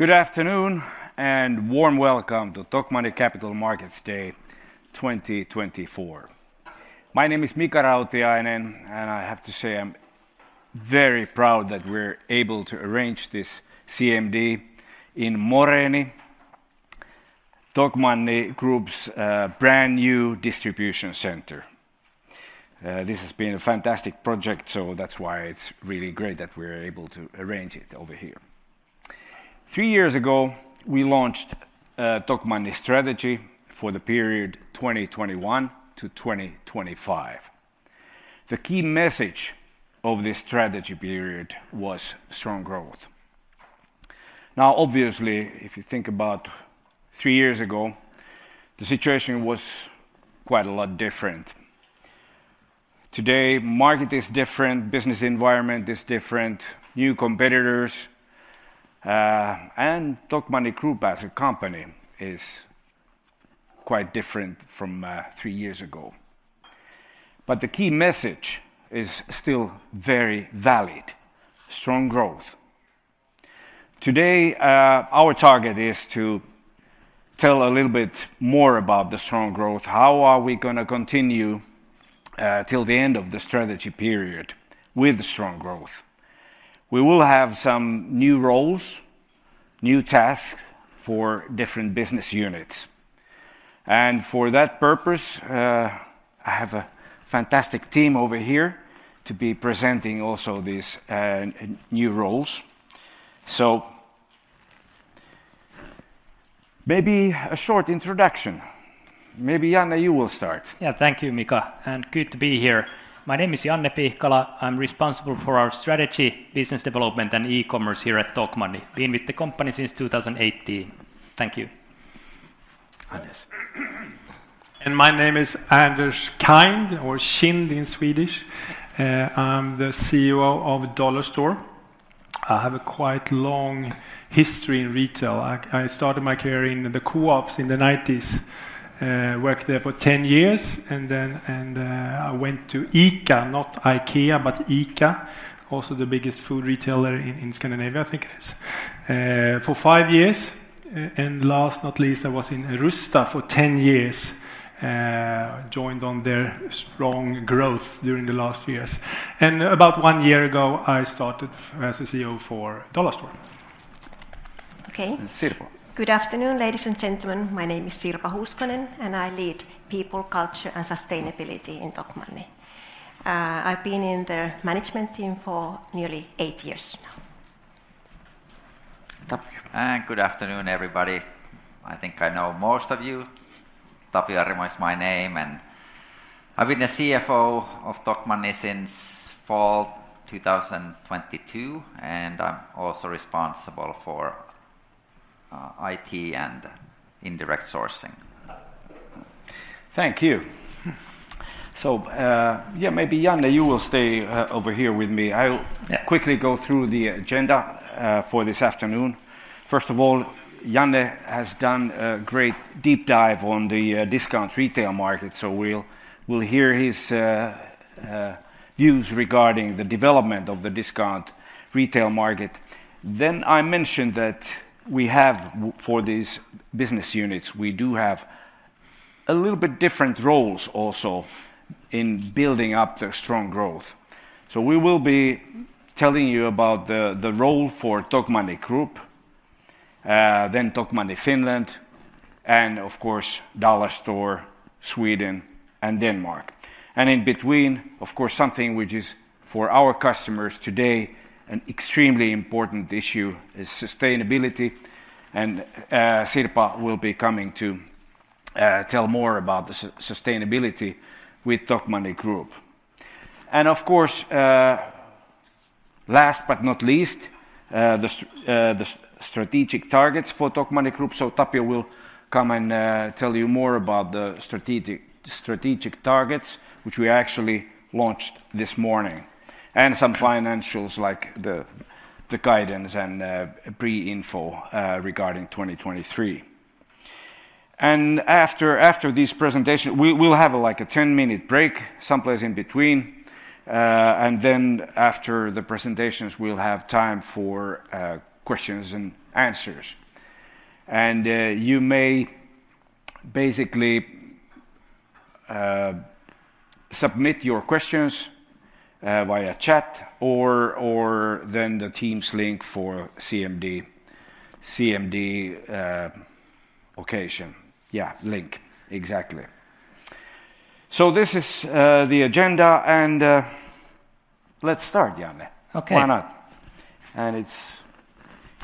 Good afternoon and warm welcome to Tokmanni Capital Markets Day 2024. My name is Mika Rautiainen, and I have to say I'm very proud that we're able to arrange this CMD in Moreeni, Tokmanni Group's brand new distribution center. This has been a fantastic project, so that's why it's really great that we're able to arrange it over here. Three years ago, we launched Tokmanni Strategy for the period 2021 to 2025. The key message of this strategy period was strong growth. Now, obviously, if you think about three years ago, the situation was quite a lot different. Today, market is different, business environment is different, new competitors, and Tokmanni Group as a company is quite different from three years ago. But the key message is still very valid: strong growth. Today, our target is to tell a little bit more about the strong growth, how are we going to continue till the end of the strategy period with strong growth. We will have some new roles, new tasks for different business units. For that purpose, I have a fantastic team over here to be presenting also these new roles. So maybe a short introduction. Maybe, Janne, you will start. Yeah, thank you, Mika. Good to be here. My name is Janne Pihkala. I'm responsible for our strategy, business development, and e-commerce here at Tokmanni. Been with the company since 2018. Thank you. My name is Anders Kind, or Kind in Swedish. I'm the CEO of Dollarstore. I have a quite long history in retail. I started my career in the Coop in the 1990s, worked there for 10 years, and then I went to ICA, not IKEA, but ICA, also the biggest food retailer in Scandinavia, I think it is, for 5 years. And last but not least, I was in Rusta for 10 years, joined on their strong growth during the last years. About 1 year ago, I started as a CEO for Dollarstore. Okay. And Sirpa. Good afternoon, ladies and gentlemen. My name is Sirpa Huuskonen, and I lead people, culture, and sustainability in Tokmanni. I've been in the management team for nearly eight years now. Tapio. Good afternoon, everybody. I think I know most of you. Tapio Arimo is my name, and I've been the CFO of Tokmanni since fall 2022, and I'm also responsible for IT and indirect sourcing. Thank you. So yeah, maybe Janne, you will stay over here with me. I'll quickly go through the agenda for this afternoon. First of all, Janne has done a great deep dive on the discount retail market, so we'll hear his views regarding the development of the discount retail market. Then I mentioned that we have, for these business units, we do have a little bit different roles also in building up the strong growth. So we will be telling you about the role for Tokmanni Group, then Tokmanni Finland, and of course, Dollarstore, Sweden, and Denmark. And in between, of course, something which is for our customers today an extremely important issue is sustainability. And Sirpa will be coming to tell more about the sustainability with Tokmanni Group. And of course, last but not least, the strategic targets for Tokmanni Group. So Tapio will come and tell you more about the strategic targets, which we actually launched this morning, and some financials like the guidance and pre-info regarding 2023. After these presentations, we'll have a 10-minute break someplace in between. Then after the presentations, we'll have time for questions and answers. You may basically submit your questions via chat or then the teams link for CMD occasion. Yeah, link, exactly. This is the agenda. Let's start, Janne. Okay. Why not? It's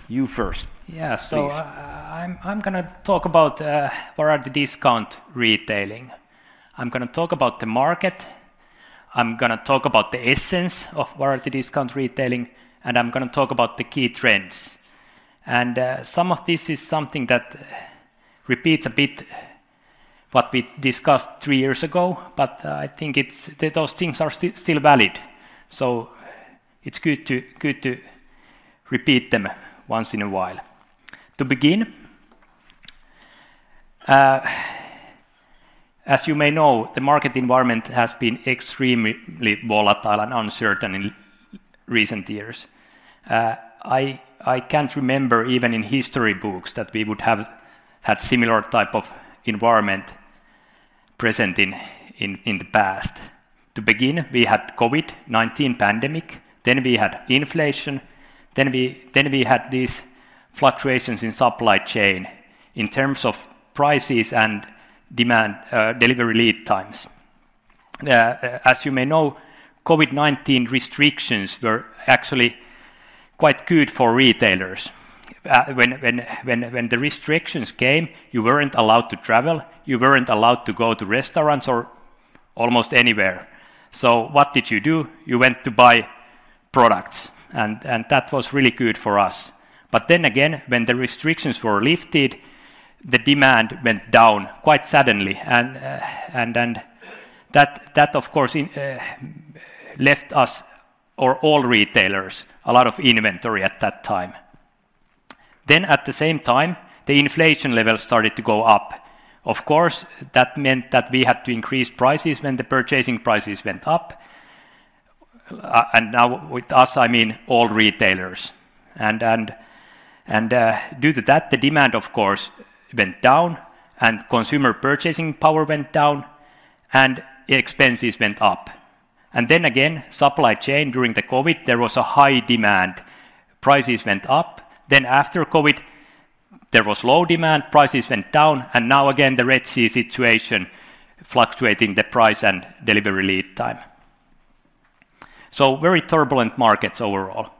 you first, please. Yeah, so I'm going to talk about variety discount retailing. I'm going to talk about the market. I'm going to talk about the essence of variety discount retailing, and I'm going to talk about the key trends. Some of this is something that repeats a bit what we discussed three years ago, but I think those things are still valid. It's good to repeat them once in a while. To begin, as you may know, the market environment has been extremely volatile and uncertain in recent years. I can't remember even in history books that we would have had a similar type of environment present in the past. To begin, we had the COVID-19 pandemic. Then we had inflation. Then we had these fluctuations in the supply chain in terms of prices and delivery lead times. As you may know, COVID-19 restrictions were actually quite good for retailers. When the restrictions came, you weren't allowed to travel. You weren't allowed to go to restaurants or almost anywhere. So what did you do? You went to buy products. And that was really good for us. But then again, when the restrictions were lifted, the demand went down quite suddenly. And that, of course, left us, or all retailers, a lot of inventory at that time. Then at the same time, the inflation level started to go up. Of course, that meant that we had to increase prices when the purchasing prices went up. And now with us, I mean all retailers. And due to that, the demand, of course, went down and consumer purchasing power went down and expenses went up. And then again, supply chain, during the COVID, there was a high demand. Prices went up. Then after COVID, there was low demand. Prices went down. Now again, the Red Sea situation, fluctuating the price and delivery lead time. Very turbulent markets overall.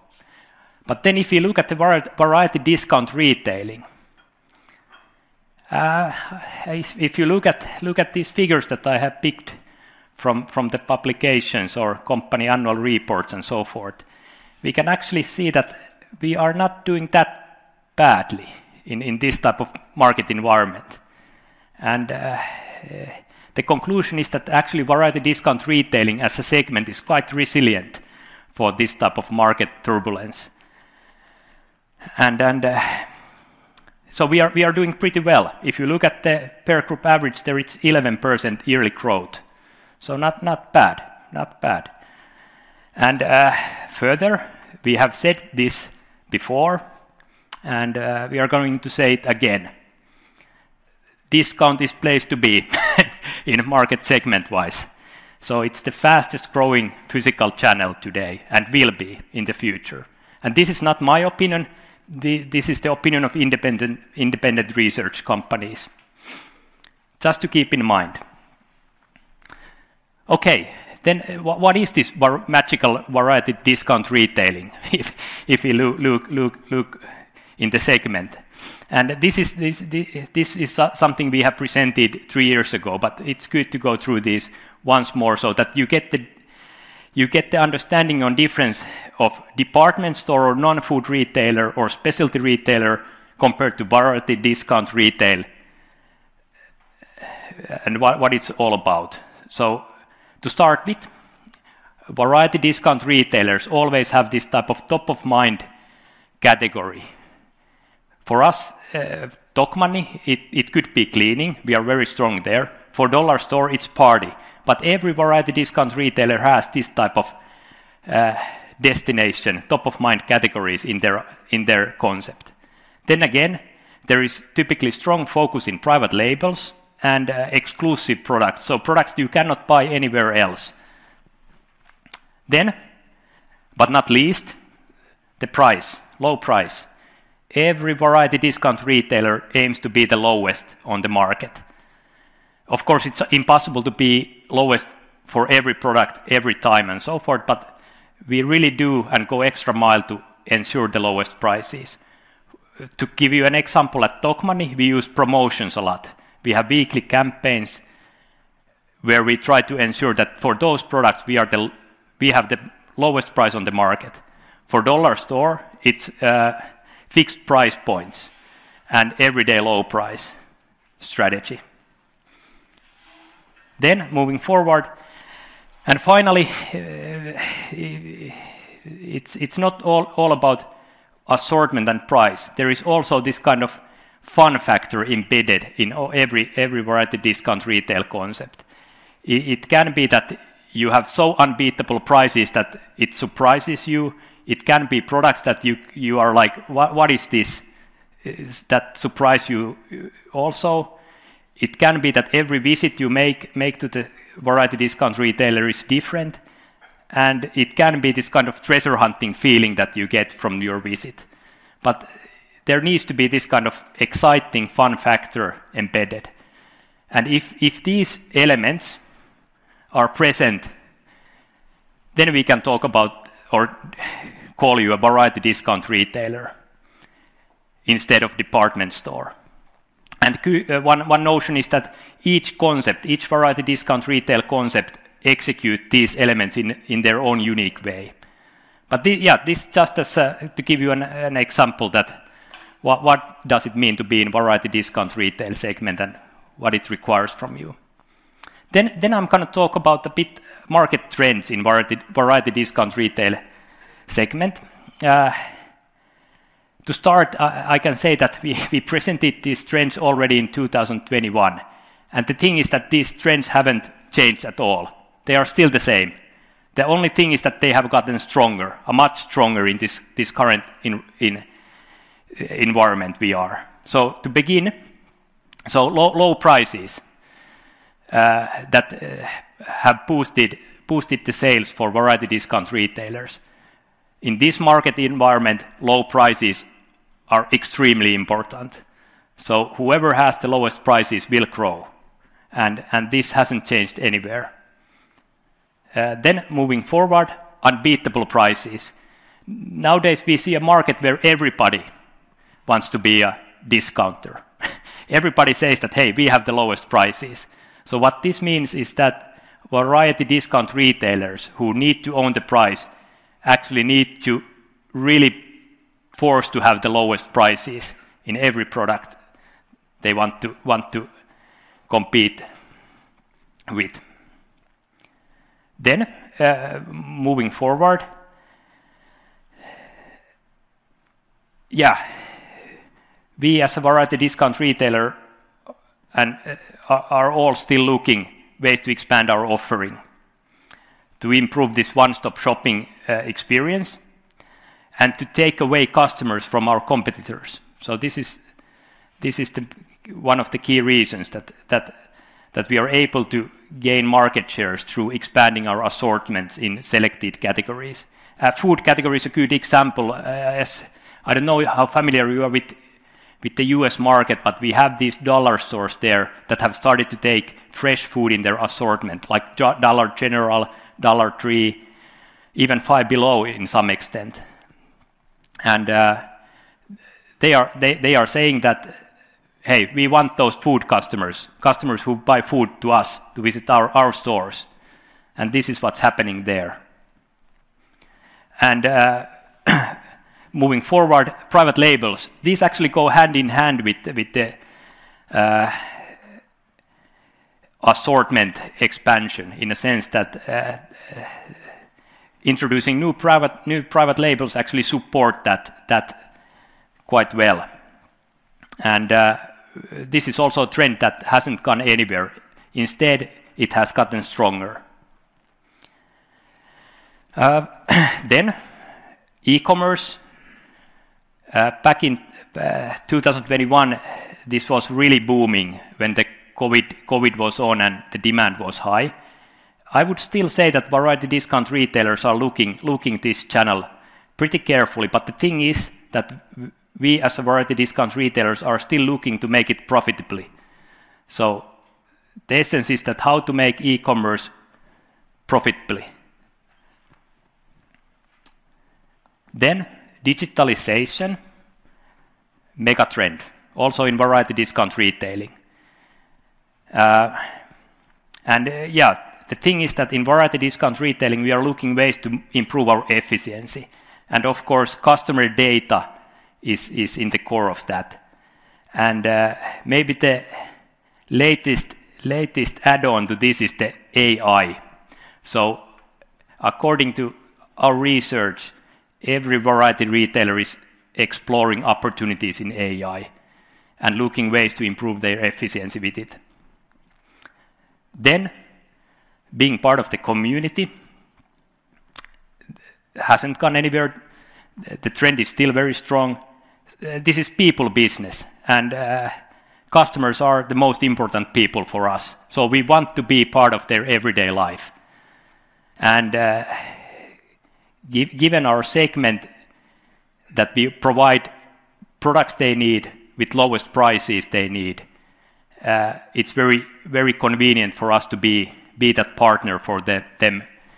If you look at the variety discount retailing, if you look at these figures that I have picked from the publications or company annual reports and so forth, we can actually see that we are not doing that badly in this type of market environment. The conclusion is that actually variety discount retailing as a segment is quite resilient for this type of market turbulence. So we are doing pretty well. If you look at the per group average, there is 11% yearly growth. Not bad, not bad. Further, we have said this before, and we are going to say it again. Discount is the place to be in market segment-wise. It's the fastest growing physical channel today and will be in the future. This is not my opinion. This is the opinion of independent research companies. Just to keep in mind. Okay, then what is this magical variety discount retailing if we look in the segment? This is something we have presented three years ago, but it's good to go through this once more so that you get the understanding on the difference of department store or non-food retailer or specialty retailer compared to variety discount retail and what it's all about. So to start with, variety discount retailers always have this type of top-of-mind category. For us, Tokmanni, it could be cleaning. We are very strong there. For Dollarstore, it's party. But every variety discount retailer has this type of destination, top-of-mind categories in their concept. Then again, there is typically a strong focus on private labels and exclusive products, so products you cannot buy anywhere else. Then, but not least, the price, low price. Every variety discount retailer aims to be the lowest on the market. Of course, it's impossible to be lowest for every product every time and so forth, but we really do and go the extra mile to ensure the lowest prices. To give you an example, at Tokmanni, we use promotions a lot. We have weekly campaigns where we try to ensure that for those products, we have the lowest price on the market. For Dollarstore, it's fixed price points and everyday low price strategy. Then moving forward. And finally, it's not all about assortment and price. There is also this kind of fun factor embedded in every variety discount retail concept. It can be that you have so unbeatable prices that it surprises you. It can be products that you are like, "What is this that surprises you also?" It can be that every visit you make to the variety discount retailer is different. And it can be this kind of treasure hunting feeling that you get from your visit. But there needs to be this kind of exciting fun factor embedded. And if these elements are present, then we can talk about or call you a variety discount retailer instead of a department store. And one notion is that each concept, each variety discount retail concept executes these elements in their own unique way. But yeah, this is just to give you an example of what it means to be in the variety discount retail segment and what it requires from you. Then I'm going to talk a bit about market trends in the variety discount retail segment. To start, I can say that we presented these trends already in 2021. And the thing is that these trends haven't changed at all. They are still the same. The only thing is that they have gotten stronger, much stronger in this current environment we are. So to begin, low prices that have boosted the sales for variety discount retailers. In this market environment, low prices are extremely important. So whoever has the lowest prices will grow. And this hasn't changed anywhere. Then moving forward, unbeatable prices. Nowadays, we see a market where everybody wants to be a discounter. Everybody says that, "Hey, we have the lowest prices." So what this means is that variety discount retailers who need to own the price actually need to really be forced to have the lowest prices in every product they want to compete with. Then moving forward, yeah, we as a variety discount retailer are all still looking for ways to expand our offering, to improve this one-stop shopping experience, and to take away customers from our competitors. So this is one of the key reasons that we are able to gain market shares through expanding our assortments in selected categories. Food category is a good example. I don't know how familiar you are with the U.S. market, but we have these dollar stores there that have started to take fresh food in their assortment, like Dollar General, Dollar Tree, even Five Below in some extent. And they are saying that, "Hey, we want those food customers, customers who buy food to us, to visit our stores." And this is what's happening there. Moving forward, private labels—these actually go hand in hand with the assortment expansion in the sense that introducing new private labels actually supports that quite well. This is also a trend that hasn't gone anywhere. Instead, it has gotten stronger. Then e-commerce. Back in 2021, this was really booming when the COVID was on and the demand was high. I would still say that variety discount retailers are looking at this channel pretty carefully. But the thing is that we as variety discount retailers are still looking to make it profitably. So the essence is that how to make e-commerce profitably. Then digitalization, mega trend, also in variety discount retailing. And yeah, the thing is that in variety discount retailing, we are looking for ways to improve our efficiency. And of course, customer data is in the core of that. Maybe the latest add-on to this is the AI. According to our research, every variety retailer is exploring opportunities in AI and looking for ways to improve their efficiency with it. Being part of the community hasn't gone anywhere. The trend is still very strong. This is people business. Customers are the most important people for us. We want to be part of their everyday life. Given our segment that we provide products they need with the lowest prices they need, it's very convenient for us to be that partner for them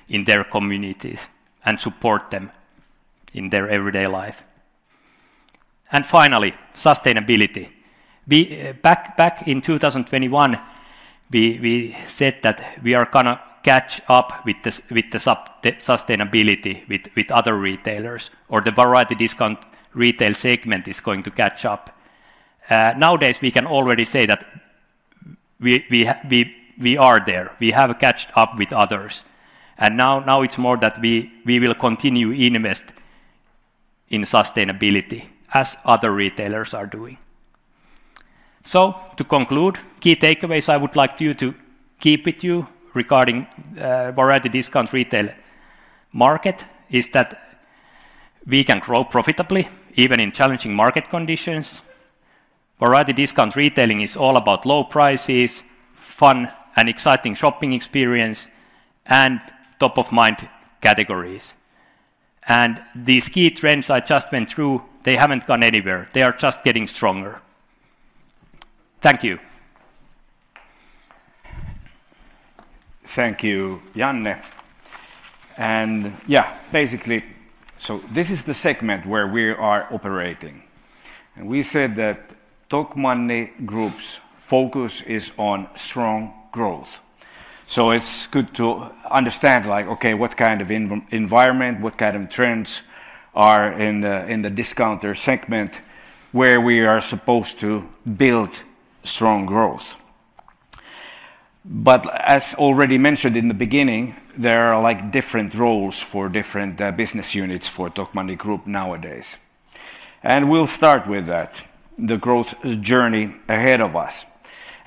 in their communities and support them in their everyday life. Finally, sustainability. Back in 2021, we said that we are going to catch up with the sustainability with other retailers or the variety discount retail segment is going to catch up. Nowadays, we can already say that we are there. We have caught up with others. And now it's more that we will continue to invest in sustainability as other retailers are doing. So to conclude, key takeaways I would like you to keep with you regarding the variety discount retail market is that we can grow profitably even in challenging market conditions. Variety discount retailing is all about low prices, fun and exciting shopping experience, and top-of-mind categories. And these key trends I just went through, they haven't gone anywhere. They are just getting stronger. Thank you. Thank you, Janne. And yeah, basically, so this is the segment where we are operating. And we said that Tokmanni Group's focus is on strong growth. So it's good to understand, like, okay, what kind of environment, what kind of trends are in the discounter segment where we are supposed to build strong growth. But as already mentioned in the beginning, there are different roles for different business units for Tokmanni Group nowadays. We'll start with that, the growth journey ahead of us.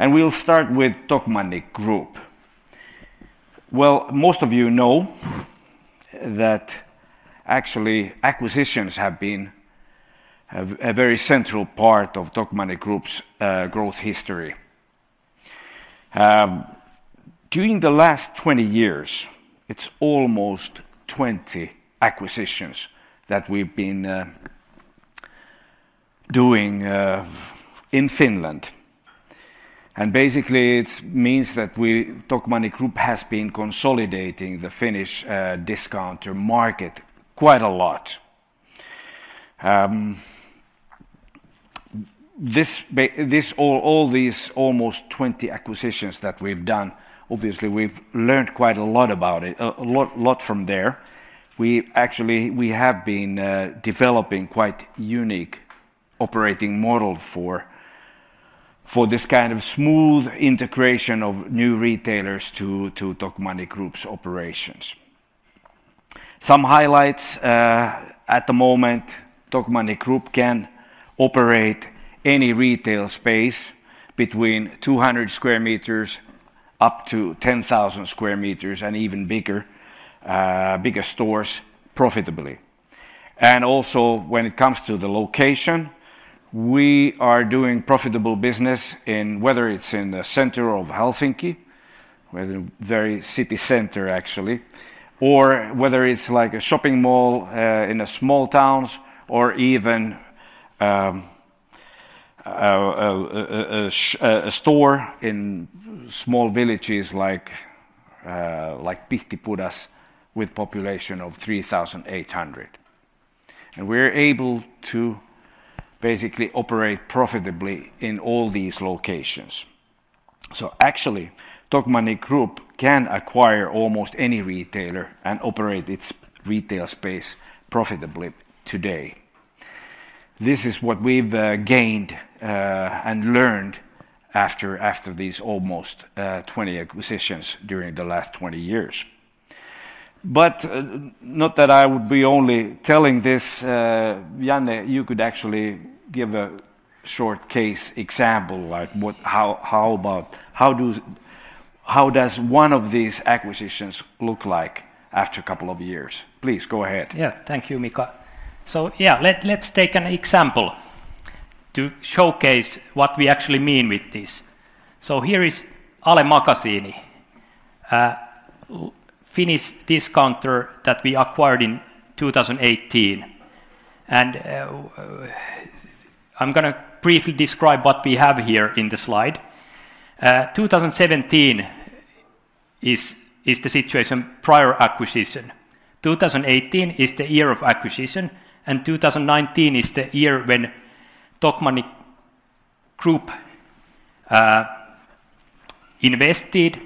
We'll start with Tokmanni Group. Well, most of you know that actually acquisitions have been a very central part of Tokmanni Group's growth history. During the last 20 years, it's almost 20 acquisitions that we've been doing in Finland. Basically, it means that Tokmanni Group has been consolidating the Finnish discounter market quite a lot. All these almost 20 acquisitions that we've done, obviously, we've learned quite a lot about it, a lot from there. We actually have been developing a quite unique operating model for this kind of smooth integration of new retailers to Tokmanni Group's operations. Some highlights: at the moment, Tokmanni Group can operate any retail space between 200 square meters up to 10,000 square meters and even bigger stores profitably. And also, when it comes to the location, we are doing profitable business in whether it's in the center of Helsinki, in the very city center, actually, or whether it's like a shopping mall in small towns or even a store in small villages like Pihtipudas with a population of 3,800. And we're able to basically operate profitably in all these locations. So actually, Tokmanni Group can acquire almost any retailer and operate its retail space profitably today. This is what we've gained and learned after these almost 20 acquisitions during the last 20 years. But not that I would be only telling this. Janne, you could actually give a short case example. Like what? How about how does one of these acquisitions look like after a couple of years? Please, go ahead. Yeah, thank you, Mika. So yeah, let's take an example to showcase what we actually mean with this. So here is Ale-Makasiini, a Finnish discounter that we acquired in 2018. And I'm going to briefly describe what we have here in the slide. 2017 is the situation prior acquisition. 2018 is the year of acquisition. And 2019 is the year when Tokmanni Group invested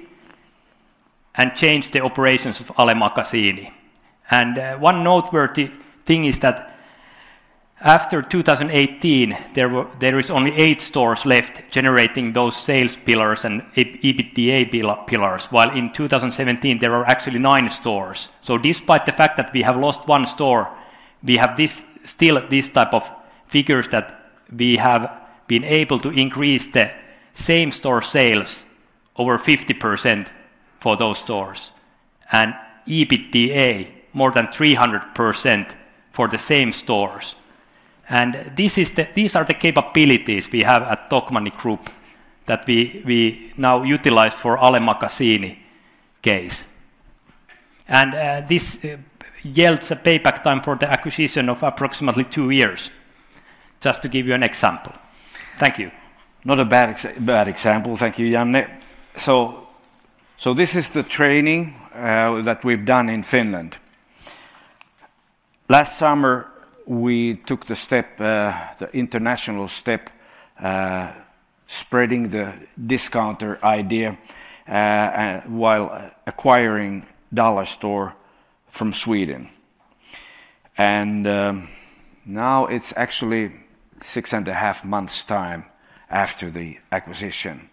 and changed the operations of Ale-Makasiini. And one noteworthy thing is that after 2018, there were only 8 stores left generating those sales pillars and EBITDA pillars, while in 2017, there were actually 9 stores. So despite the fact that we have lost 1 store, we have still this type of figures that we have been able to increase the same store sales over 50% for those stores and EBITDA more than 300% for the same stores. And these are the capabilities we have at Tokmanni Group that we now utilize for the Ale-Makasiini case. And this yields a payback time for the acquisition of approximately 2 years, just to give you an example. Thank you. Not a bad example. Thank you, Janne. So this is the training that we've done in Finland. Last summer, we took the step, the international step, spreading the discounter idea while acquiring a Dollarstore from Sweden. And now it's actually 6.5 months' time after the acquisition.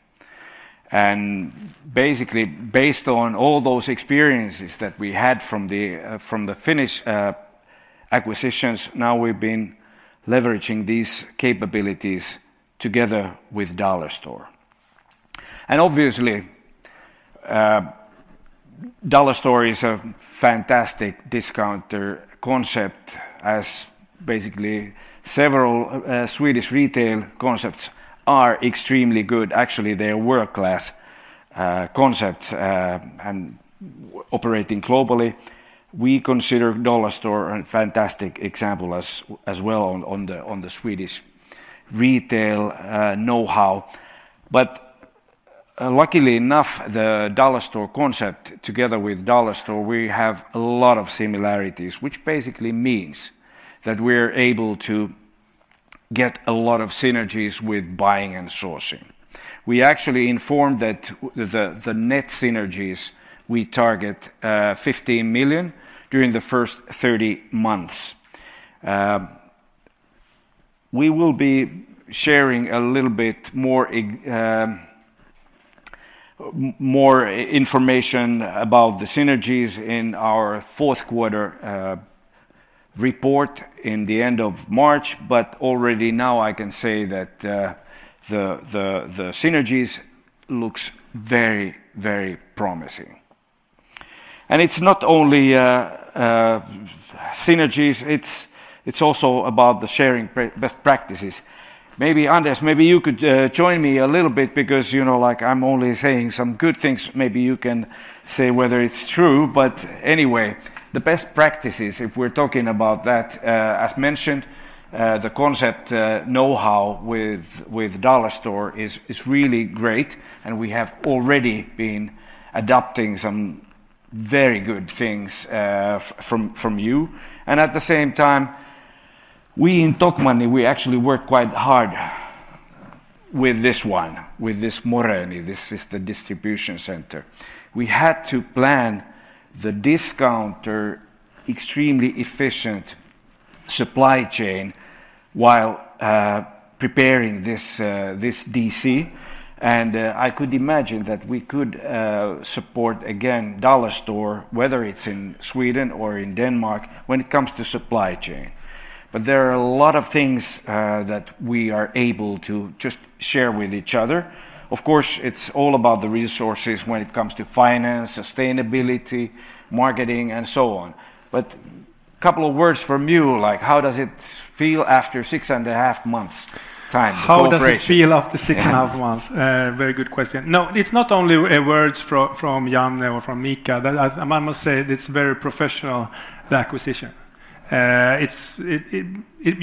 Basically, based on all those experiences that we had from the Finnish acquisitions, now we've been leveraging these capabilities together with Dollarstore. And obviously, Dollarstore is a fantastic discounter concept, as basically several Swedish retail concepts are extremely good. Actually, they are world-class concepts and operating globally. We consider Dollarstore a fantastic example as well on the Swedish retail know-how. But luckily enough, the Dollarstore concept, together with Dollarstore, we have a lot of similarities, which basically means that we're able to get a lot of synergies with buying and sourcing. We actually informed that the net synergies we target are 15 million during the first 30 months. We will be sharing a little bit more information about the synergies in our fourth quarter report at the end of March. But already now, I can say that, the synergies look very, very promising. And it's not only synergies. It's also about the sharing best practices. Maybe, Anders, maybe you could join me a little bit because, you know, like I'm only saying some good things. Maybe you can say whether it's true. But anyway, the best practices, if we're talking about that, as mentioned, the concept know-how with Dollarstore is really great. And we have already been adopting some very good things, from you. And at the same time, we in Tokmanni, we actually worked quite hard with this one, with this Moreeni. This is the distribution center. We had to plan the discounter, extremely efficient supply chain while, preparing this DC. I could imagine that we could support, again, Dollarstore, whether it's in Sweden or in Denmark, when it comes to supply chain. There are a lot of things that we are able to just share with each other. Of course, it's all about the resources when it comes to finance, sustainability, marketing, and so on. A couple of words from you, like, how does it feel after six and a half months' time? How does it feel after six and a half months? Very good question. No, it's not only words from Janne or from Mika. I must say it's a very professional acquisition. It's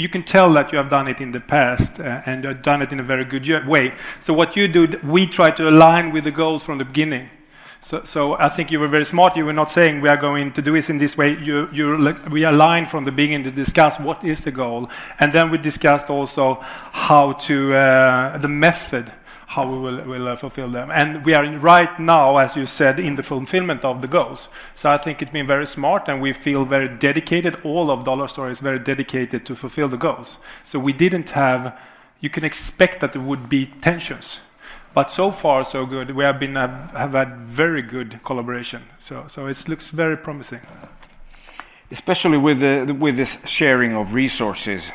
you can tell that you have done it in the past and you have done it in a very good way. What you do, we try to align with the goals from the beginning. So I think you were very smart. You were not saying, "We are going to do this in this way." You, we align from the beginning to discuss what is the goal. And then we discussed also how to, the method, how we will fulfill them. And we are right now, as you said, in the fulfillment of the goals. So I think it's been very smart and we feel very dedicated. All of Dollarstore is very dedicated to fulfill the goals. So we didn't have, you can expect that there would be tensions. But so far, so good. We have had very good collaboration. So it looks very promising. Especially with this sharing of resources,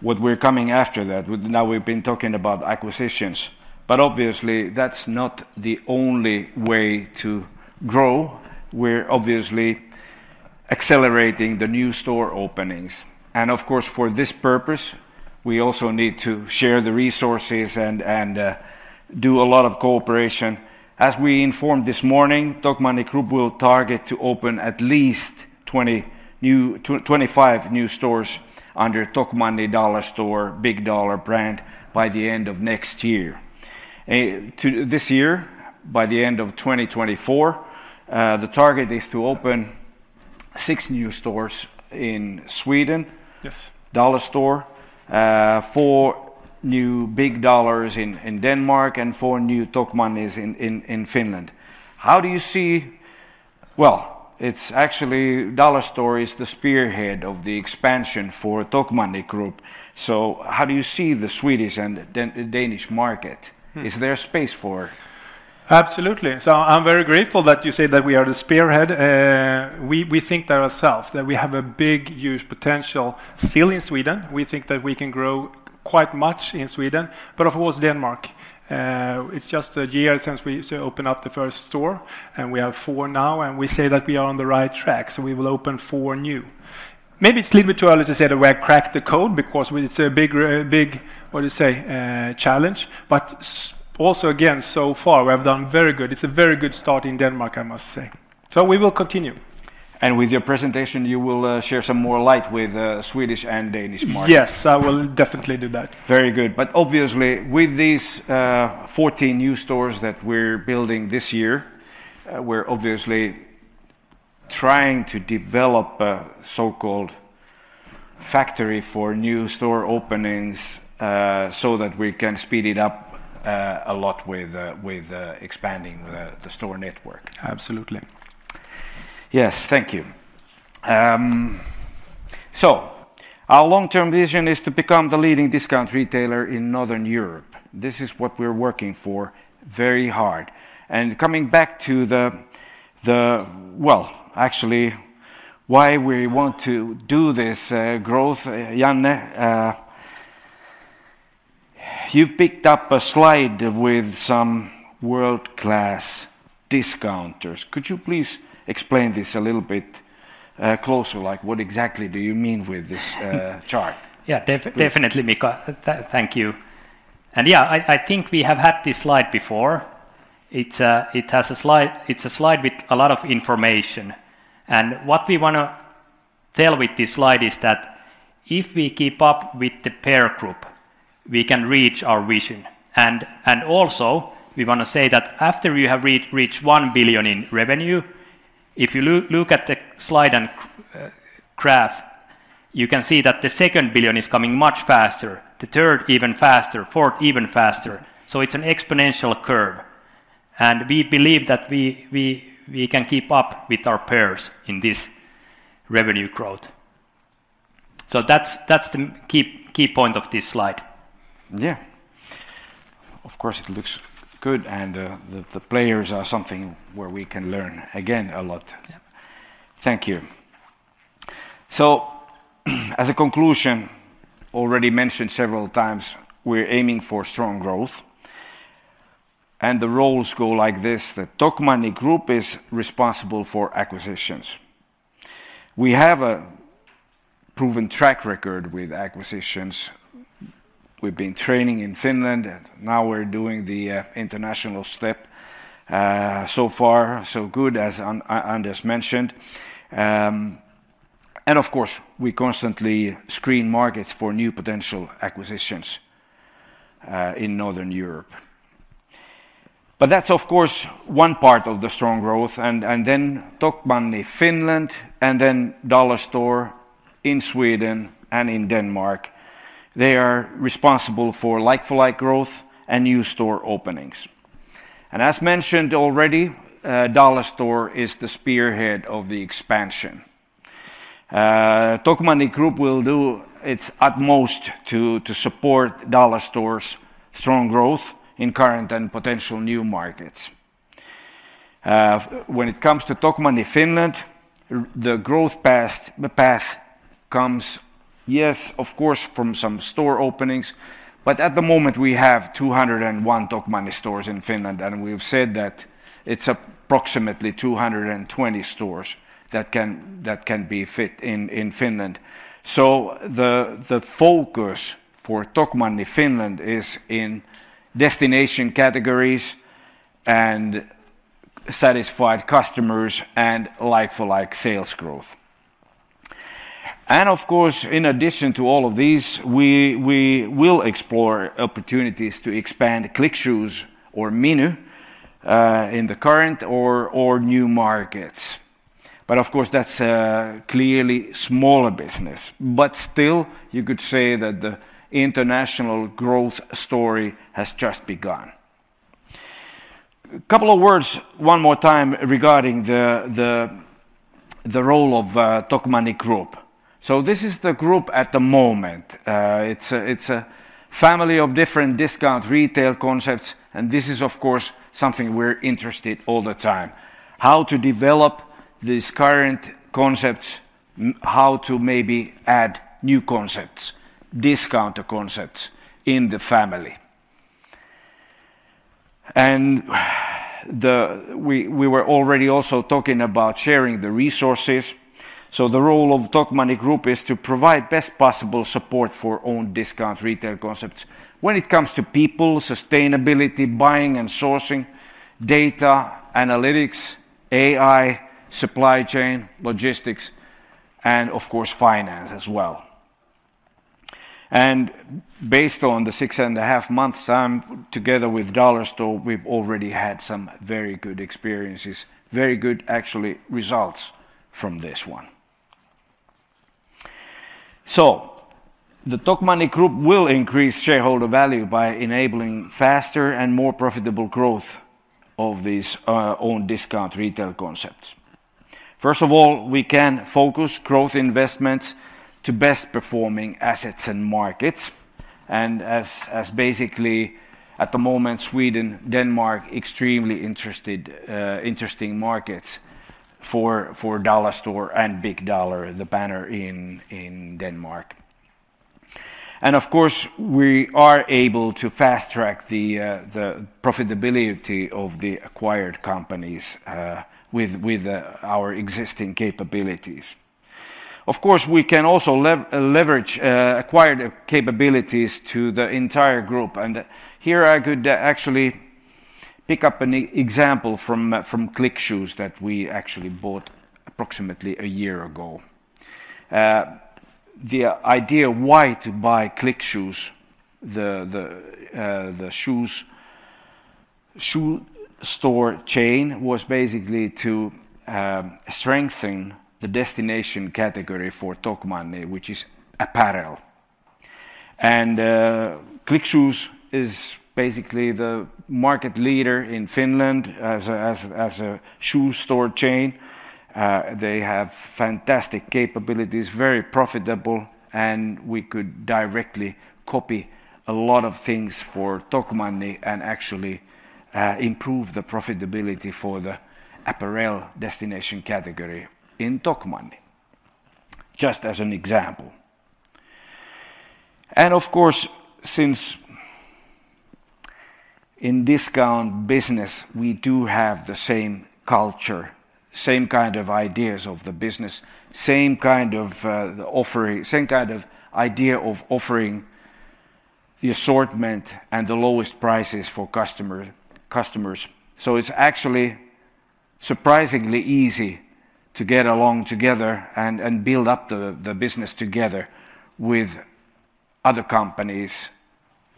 what we're coming after that, now we've been talking about acquisitions. But obviously, that's not the only way to grow. We're obviously accelerating the new store openings. Of course, for this purpose, we also need to share the resources and do a lot of cooperation. As we informed this morning, Tokmanni Group will target to open at least 20 new, 25 new stores under Tokmanni, Dollarstore, Big Dollar brand, by the end of next year. And this year, by the end of 2024, the target is to open 6 new stores in Sweden, Dollarstore, 4 new Big Dollars in Denmark and 4 new Tokmannis in Finland. How do you see? Well, it's actually Dollarstore is the spearhead of the expansion for Tokmanni Group. So how do you see the Swedish and the Danish market? Is there space for it? Absolutely. So I'm very grateful that you say that we are the spearhead. We think that ourselves, that we have a big, huge potential still in Sweden. We think that we can grow quite much in Sweden. But of course, Denmark, it's just a year since we opened up the first store. And we have 4 now. And we say that we are on the right track. So we will open 4 new. Maybe it's a little bit too early to say that we cracked the code because it's a big, big, what do you say, challenge. But also, again, so far, we have done very good. It's a very good start in Denmark, I must say. So we will continue. And with your presentation, you will share some more light with the Swedish and Danish market. Yes, I will definitely do that. Very good. But obviously, with these 14 new stores that we're building this year, we're obviously trying to develop a so-called factory for new store openings, so that we can speed it up a lot with expanding the store network. Absolutely. Yes, thank you. So our long-term vision is to become the leading discount retailer in Northern Europe. This is what we're working for very hard. And coming back to the well, actually, why we want to do this growth, Janne, you've picked up a slide with some world-class discounters. Could you please explain this a little bit closer? Like, what exactly do you mean with this chart? Yeah, definitely, Mika. Thank you. And yeah, I think we have had this slide before. It has a slide with a lot of information. What we want to tell with this slide is that if we keep up with the peer group, we can reach our vision. And also, we want to say that after you have reached 1 billion in revenue, if you look at the slide and graph, you can see that the second billion is coming much faster, the third even faster, fourth even faster. So it's an exponential curve. And we believe that we can keep up with our peers in this revenue growth. So that's the key point of this slide. Yeah. Of course, it looks good. And the players are something where we can learn, again, a lot. Yeah, thank you. So as a conclusion, already mentioned several times, we're aiming for strong growth. And the roles go like this: the Tokmanni Group is responsible for acquisitions. We have a proven track record with acquisitions. We've been training in Finland. Now we're doing the international step. So far, so good, as Anders mentioned. Of course, we constantly screen markets for new potential acquisitions in Northern Europe. But that's, of course, one part of the strong growth. Then Tokmanni, Finland, and then Dollarstore in Sweden and in Denmark, they are responsible for like-for-like growth and new store openings. And as mentioned already, Dollarstore is the spearhead of the expansion. Tokmanni Group will do its utmost to support Dollarstore's strong growth in current and potential new markets. When it comes to Tokmanni, Finland, the growth path comes, yes, of course, from some store openings. But at the moment, we have 201 Tokmanni stores in Finland. And we've said that it's approximately 220 stores that can be fit in Finland. So the focus for Tokmanni, Finland, is in destination categories and satisfied customers and like-for-like sales growth. And of course, in addition to all of these, we will explore opportunities to expand Click Shoes or Miny in the current or new markets. But of course, that's a clearly smaller business. But still, you could say that the international growth story has just begun. A couple of words one more time regarding the role of Tokmanni Group. So this is the group at the moment. It's a family of different discount retail concepts. And this is, of course, something we're interested in all the time. How to develop these current concepts, how to maybe add new concepts, discounter concepts in the family. And we were already also talking about sharing the resources. So the role of Tokmanni Group is to provide best possible support for own discount retail concepts when it comes to people, sustainability, buying and sourcing, data, analytics, AI, supply chain, logistics, and of course, finance as well. And based on the six and a half months' time together with Dollarstore, we've already had some very good experiences, very good, actually, results from this one. So the Tokmanni Group will increase shareholder value by enabling faster and more profitable growth of these own discount retail concepts. First of all, we can focus growth investments to best performing assets and markets. And as basically at the moment, Sweden, Denmark, extremely interesting, interesting markets for Dollarstore and Big Dollar, the banner in Denmark. And of course, we are able to fast-track the profitability of the acquired companies, with our existing capabilities. Of course, we can also leverage acquired capabilities to the entire group. And here I could actually pick up an example from Click Shoes that we actually bought approximately a year ago. The idea why to buy Click Shoes, the shoes store chain, was basically to strengthen the destination category for Tokmanni, which is apparel. And Click Shoes is basically the market leader in Finland as a shoe store chain. They have fantastic capabilities, very profitable. And we could directly copy a lot of things for Tokmanni and actually improve the profitability for the apparel destination category in Tokmanni, just as an example. And of course, since in discount business, we do have the same culture, same kind of ideas of the business, same kind of offering, same kind of idea of offering the assortment and the lowest prices for customers. So it's actually surprisingly easy to get along together and build up the business together with other companies,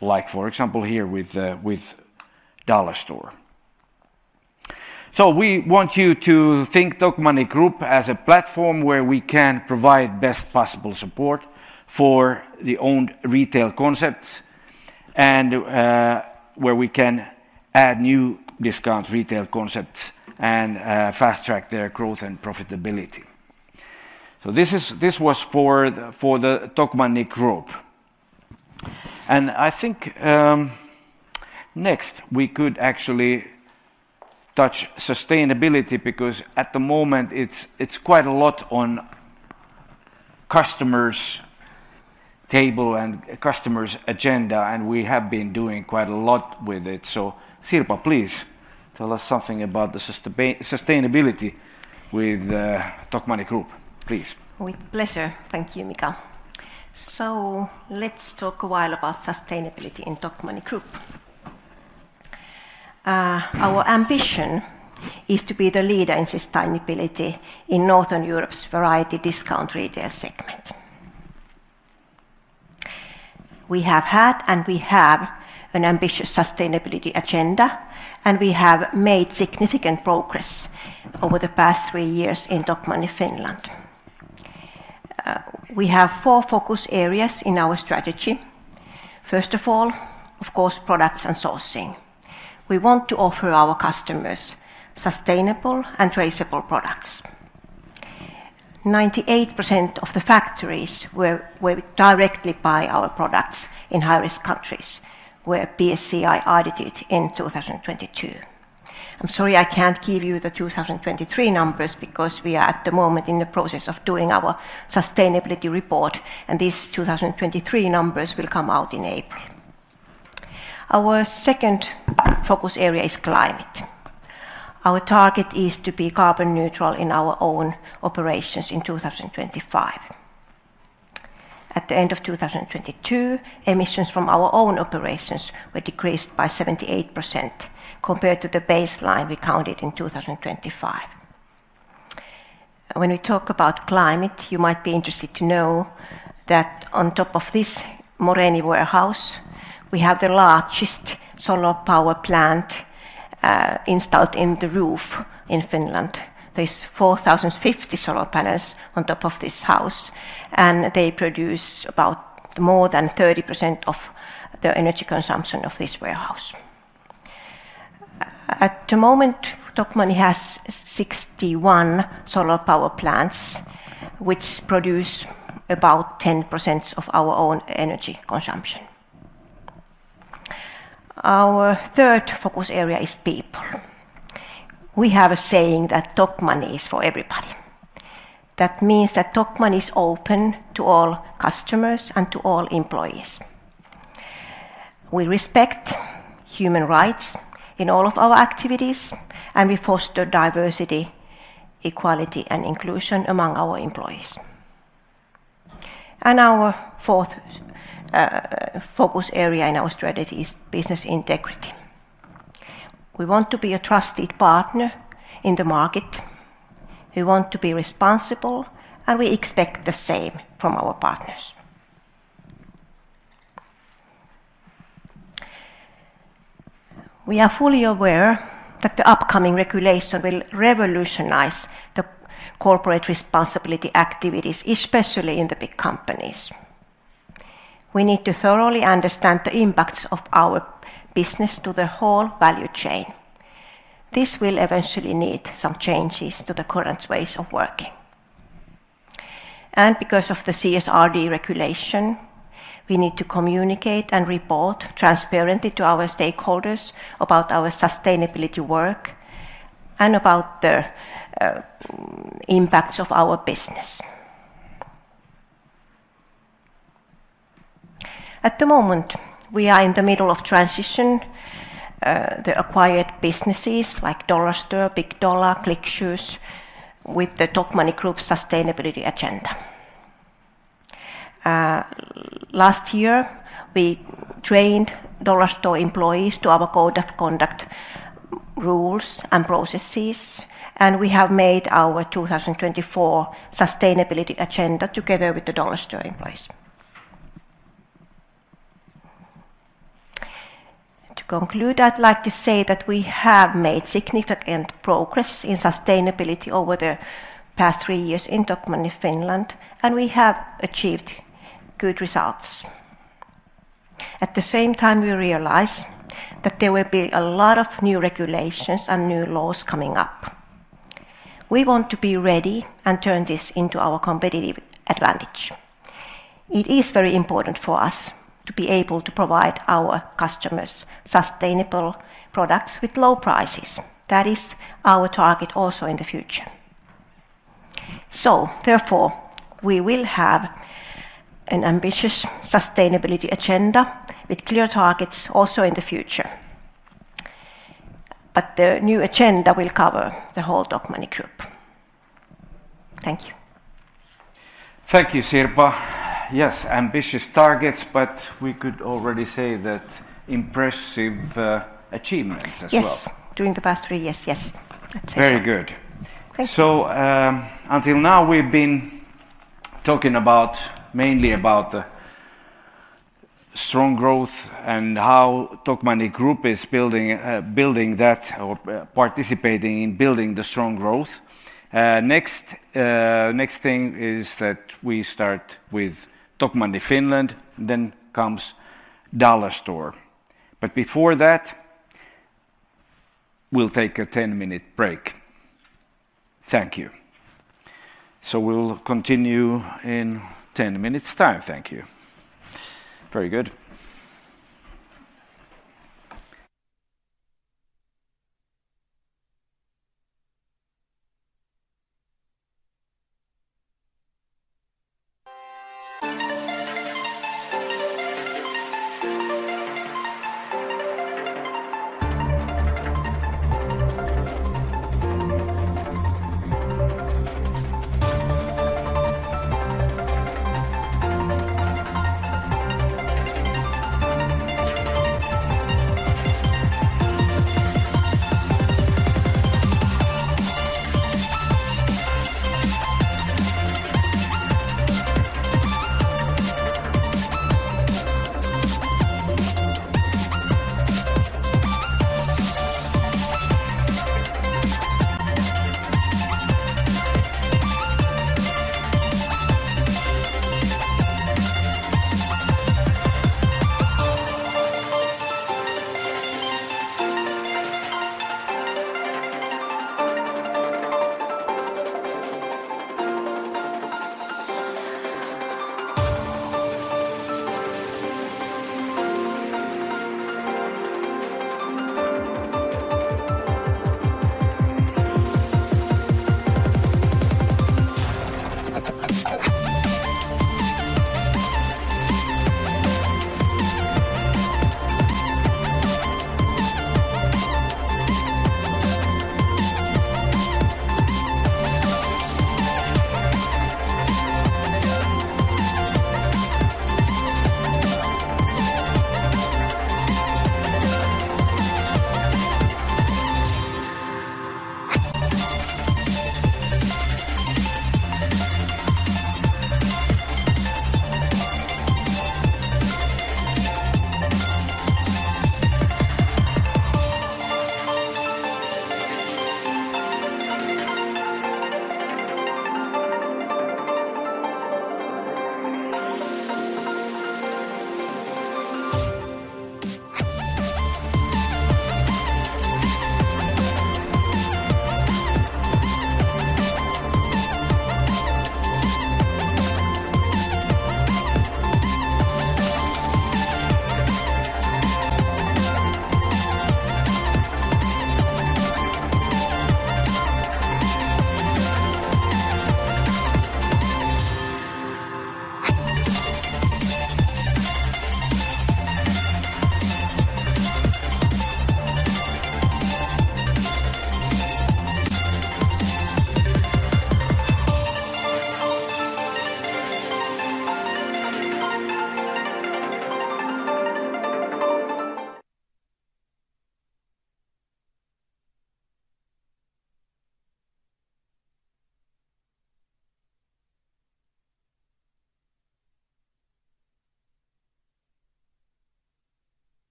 like for example here with Dollarstore. So we want you to think Tokmanni Group as a platform where we can provide best possible support for the owned retail concepts and where we can add new discount retail concepts and fast-track their growth and profitability. So this is this was for the Tokmanni Group. And I think next we could actually touch sustainability because at the moment it's quite a lot on customers' table and customers' agenda. And we have been doing quite a lot with it. So Sirpa, please tell us something about the sustainability with Tokmanni Group. Please. With pleasure. Thank you, Mika. So let's talk a while about sustainability in Tokmanni Group. Our ambition is to be the leader in sustainability in Northern Europe's variety discount retail segment. We have had and we have an ambitious sustainability agenda. We have made significant progress over the past 3 years in Tokmanni, Finland. We have 4 focus areas in our strategy. First of all, of course, products and sourcing. We want to offer our customers sustainable and traceable products. 98% of the factories where we directly buy our products in high-risk countries were BSCI audited in 2022. I'm sorry I can't give you the 2023 numbers because we are at the moment in the process of doing our sustainability report. These 2023 numbers will come out in April. Our second focus area is climate. Our target is to be carbon neutral in our own operations in 2025. At the end of 2022, emissions from our own operations were decreased by 78% compared to the baseline we counted in 2025. When we talk about climate, you might be interested to know that on top of this Moreeni warehouse, we have the largest solar power plant installed in the roof in Finland. There are 4,050 solar panels on top of this house. And they produce about more than 30% of the energy consumption of this warehouse. At the moment, Tokmanni has 61 solar power plants, which produce about 10% of our own energy consumption. Our third focus area is people. We have a saying that Tokmanni is for everybody. That means that Tokmanni is open to all customers and to all employees. We respect human rights in all of our activities. And we foster diversity, equality, and inclusion among our employees. And our fourth focus area in our strategy is business integrity. We want to be a trusted partner in the market. We want to be responsible. We expect the same from our partners. We are fully aware that the upcoming regulation will revolutionize the corporate responsibility activities, especially in the big companies. We need to thoroughly understand the impacts of our business to the whole value chain. This will eventually need some changes to the current ways of working. Because of the CSRD regulation, we need to communicate and report transparently to our stakeholders about our sustainability work and about the impacts of our business. At the moment, we are in the middle of transitioning the acquired businesses like Dollarstore, Big Dollar, Click Shoes with the Tokmanni Group's sustainability agenda. Last year, we trained Dollarstore employees to our code of conduct rules and processes. We have made our 2024 sustainability agenda together with the Dollarstore employees. To conclude, I'd like to say that we have made significant progress in sustainability over the past three years in Tokmanni, Finland. We have achieved good results. At the same time, we realize that there will be a lot of new regulations and new laws coming up. We want to be ready and turn this into our competitive advantage. It is very important for us to be able to provide our customers sustainable products with low prices. That is our target also in the future. Therefore, we will have an ambitious sustainability agenda with clear targets also in the future. The new agenda will cover the whole Tokmanni Group. Thank you. Thank you, Sirpa. Yes, ambitious targets, but we could already say that impressive achievements as well. Yes, during the past three years, yes. That's it. Very good. Thank you. So until now, we've been talking mainly about the strong growth and how Tokmanni Group is building that or participating in building the strong growth. Next thing is that we start with Tokmanni, Finland. Then comes Dollarstore. But before that, we'll take a 10-minute break. Thank you. So we'll continue in 10 minutes' time. Thank you. Very good.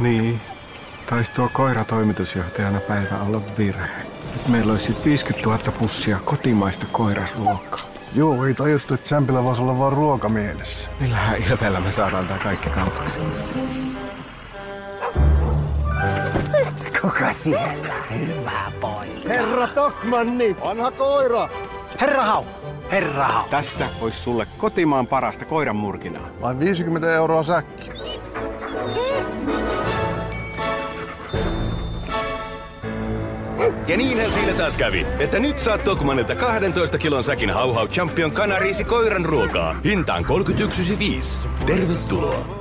Niin, taisi tuo koiratoimitusjohtajana päivä olla virhe. Nyt meillä olisi sitten 50,000 pussia kotimaista koiraruokaa. Joo, ei tajuttu, että Sämpylä voisi olla vain ruoka mielessä. Millähän ilveellä me saadaan tämä kaikki kaupaksi? Kuka siellä? Hyvä poika. Herra Tokmanni! Vanha koira! Herra Hau! Herra Hau! Tässä olisi sinulle kotimaan parasta koiranmurkinaa. Vain 50 säkkiä. Ja niinhän siinä taas kävi, että nyt saat Tokmannilta 12 kilon säkin Hau-Hau Champion kanariisi koiranruokaa hintaan 31.50. Tervetuloa!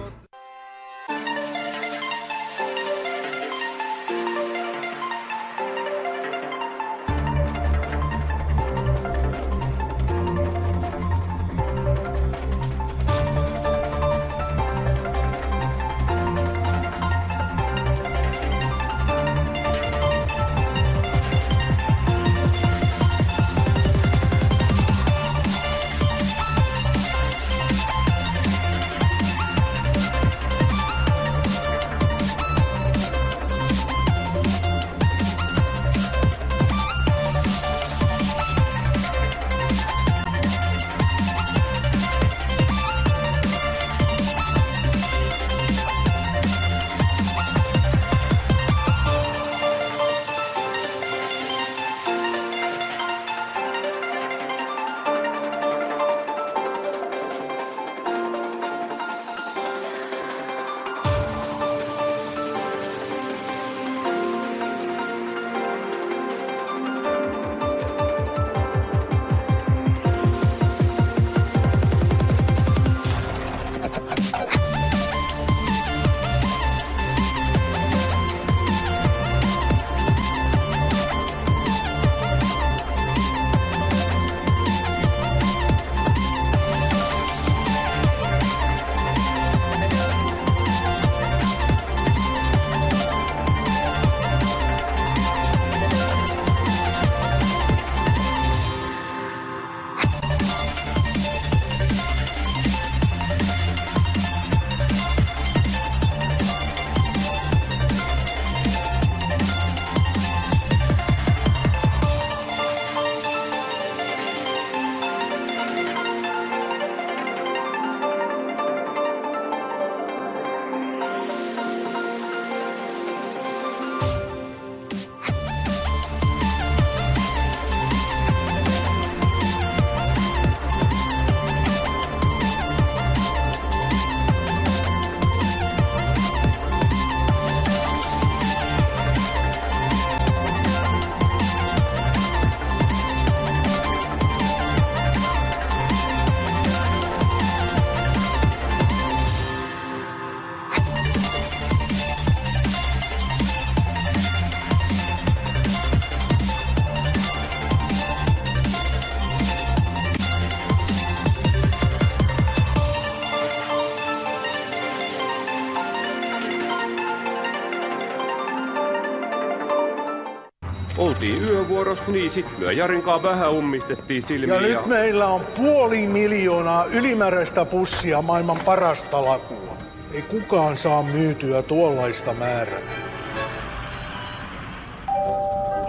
Oltiin yövuorossa, niin sitten me Jarin kanssa vähän ummistettiin silmiä. Ja nyt meillä on 500,000 ylimääräistä pussia maailman parasta lakua. Ei kukaan saa myytyä tuollaista määrää.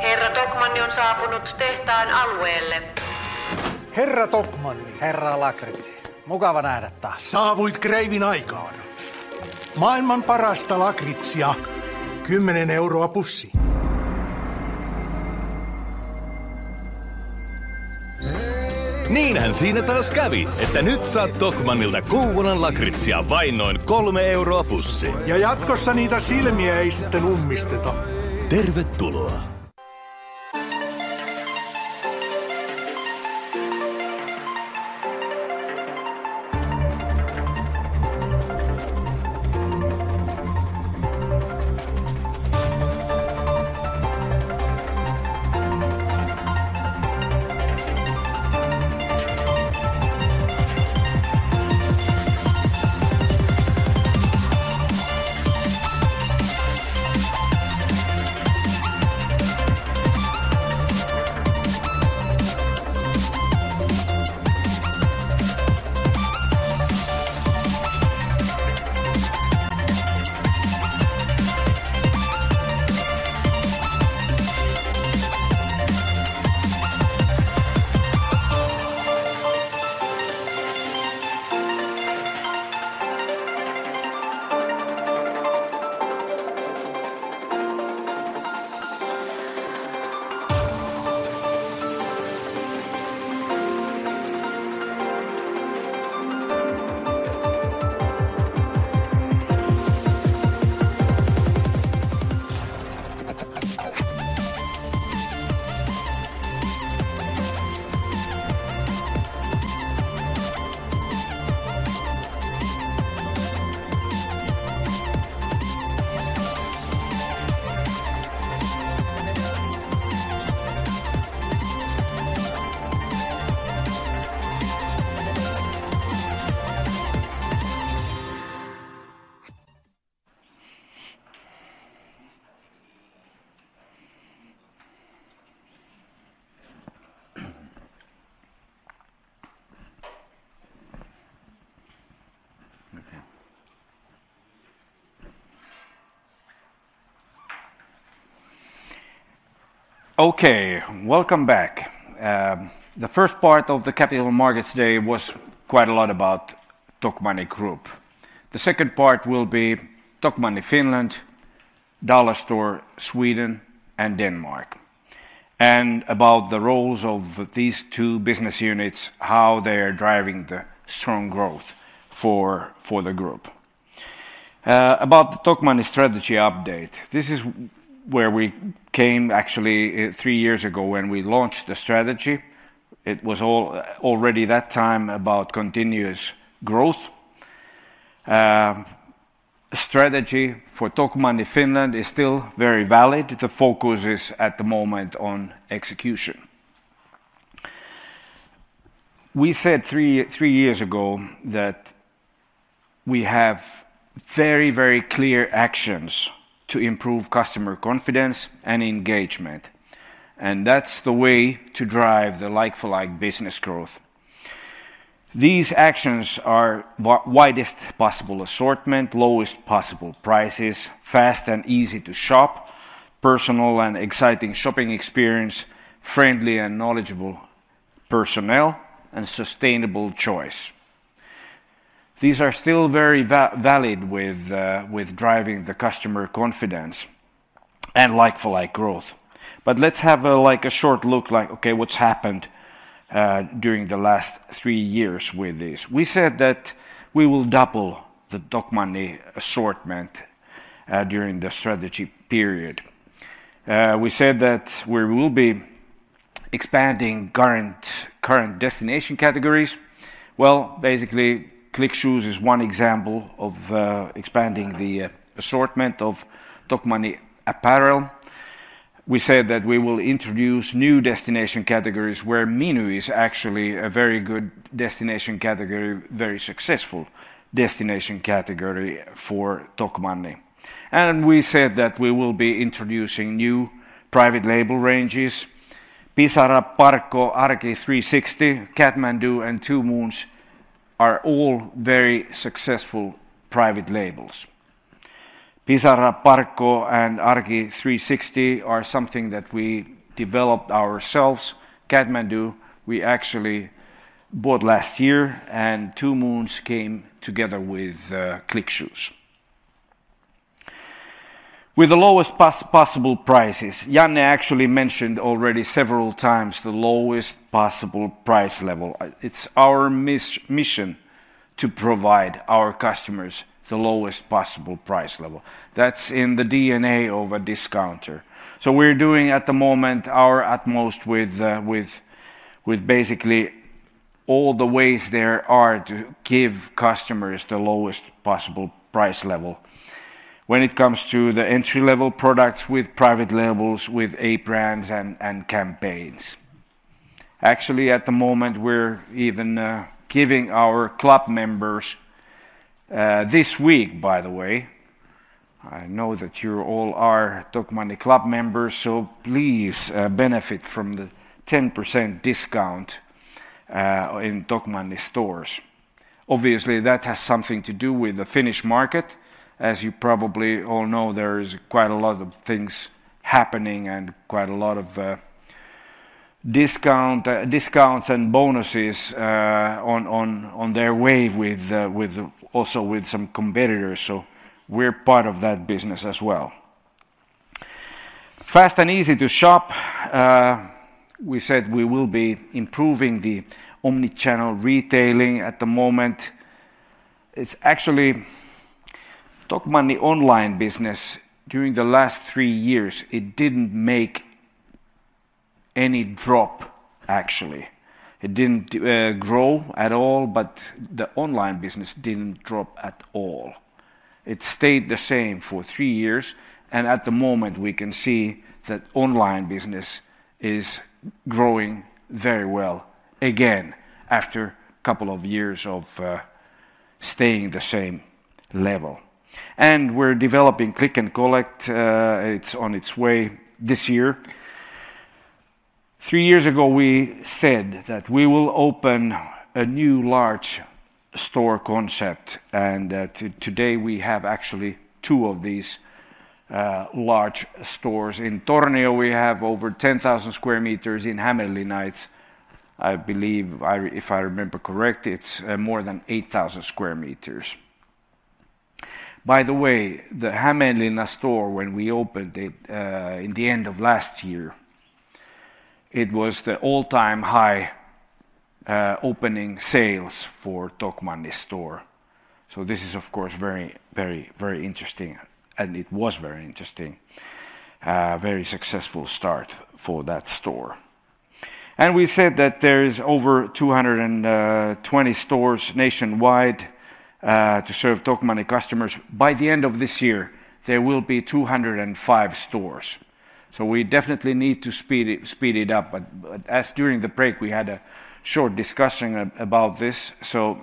Herra Tokmanni on saapunut tehtaan alueelle. Herra Tokmanni! Herra Lakritsi, mukava nähdä taas. Saavuit kreivin aikaan. Maailman parasta lakritsia, 10 EUR pussiin. Niinhän siinä taas kävi, että nyt saat Tokmannilta Kouvolan Lakritsia vain noin 3 EUR pussiin. Ja jatkossa niitä silmiä ei sitten ummisteta. Tervetuloa! Okay. Okay, welcome back. The first part of the Capital Markets Day was quite a lot about Tokmanni Group. The second part will be Tokmanni, Finland, Dollarstore, Sweden, and Denmark. About the roles of these two business units, how they are driving the strong growth for the group. About the Tokmanni strategy update, this is where we came actually 3 years ago when we launched the strategy. It was all already that time about continuous growth. The strategy for Tokmanni, Finland, is still very valid. The focus is at the moment on execution. We said three years ago that we have very, very clear actions to improve customer confidence and engagement. And that's the way to drive the like-for-like business growth. These actions are widest possible assortment, lowest possible prices, fast and easy to shop, personal and exciting shopping experience, friendly and knowledgeable personnel, and sustainable choice. These are still very valid with driving the customer confidence and like-for-like growth. But let's have a short look at what's happened during the last three years with this. We said that we will double the Tokmanni assortment during the strategy period. We said that we will be expanding current destination categories. Well, basically, Click Shoes is one example of expanding the assortment of Tokmanni apparel. We said that we will introduce new destination categories where Miny is actually a very good destination category, very successful destination category for Tokmanni. We said that we will be introducing new private label ranges. Pisara, Polku, Arki 360, Catmandoo, and 2Moons are all very successful private labels. Pisara, Polku, and Arki 360 are something that we developed ourselves. Catmandoo, we actually bought last year, and 2Moons came together with Click Shoes. With the lowest possible prices, Janne actually mentioned already several times the lowest possible price level. It's our mission to provide our customers the lowest possible price level. That's in the DNA of a discounter. We're doing at the moment our utmost with basically all the ways there are to give customers the lowest possible price level when it comes to the entry-level products with private labels, with a brand and campaigns. Actually, at the moment, we're even giving our club members this week. By the way, I know that you all are Tokmanni Club members, so please benefit from the 10% discount in Tokmanni stores. Obviously, that has something to do with the Finnish market. As you probably all know, there's quite a lot of things happening and quite a lot of discounts and bonuses on their way with also some competitors. So we're part of that business as well. Fast and easy to shop. We said we will be improving the omnichannel retailing at the moment. It's actually Tokmanni online business; during the last three years, it didn't make any drop, actually. It didn't grow at all, but the online business didn't drop at all. It stayed the same for three years. At the moment, we can see that online business is growing very well again after a couple of years of staying the same level. We're developing Click and Collect. It's on its way this year. Three years ago, we said that we will open a new large store concept. Today we have actually two of these large stores. In Tornio, we have over 10,000 square meters. In Hämeenlinna, I believe, if I remember correctly, it's more than 8,000 square meters. By the way, the Hämeenlinna store, when we opened it in the end of last year, it was the all-time high opening sales for Tokmanni store. So this is, of course, very, very, very interesting. It was very interesting. A very successful start for that store. We said that there are over 220 stores nationwide to serve Tokmanni customers. By the end of this year, there will be 205 stores. So we definitely need to speed it up. But as during the break, we had a short discussion about this. So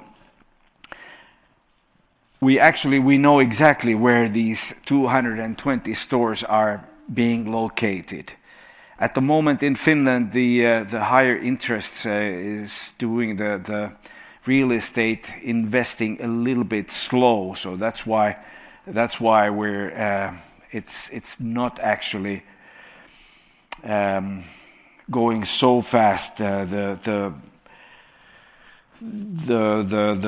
we actually know exactly where these 220 stores are being located. At the moment, in Finland, the higher interest is doing the real estate investing a little bit slow. So that's why we're it's not actually going so fast, the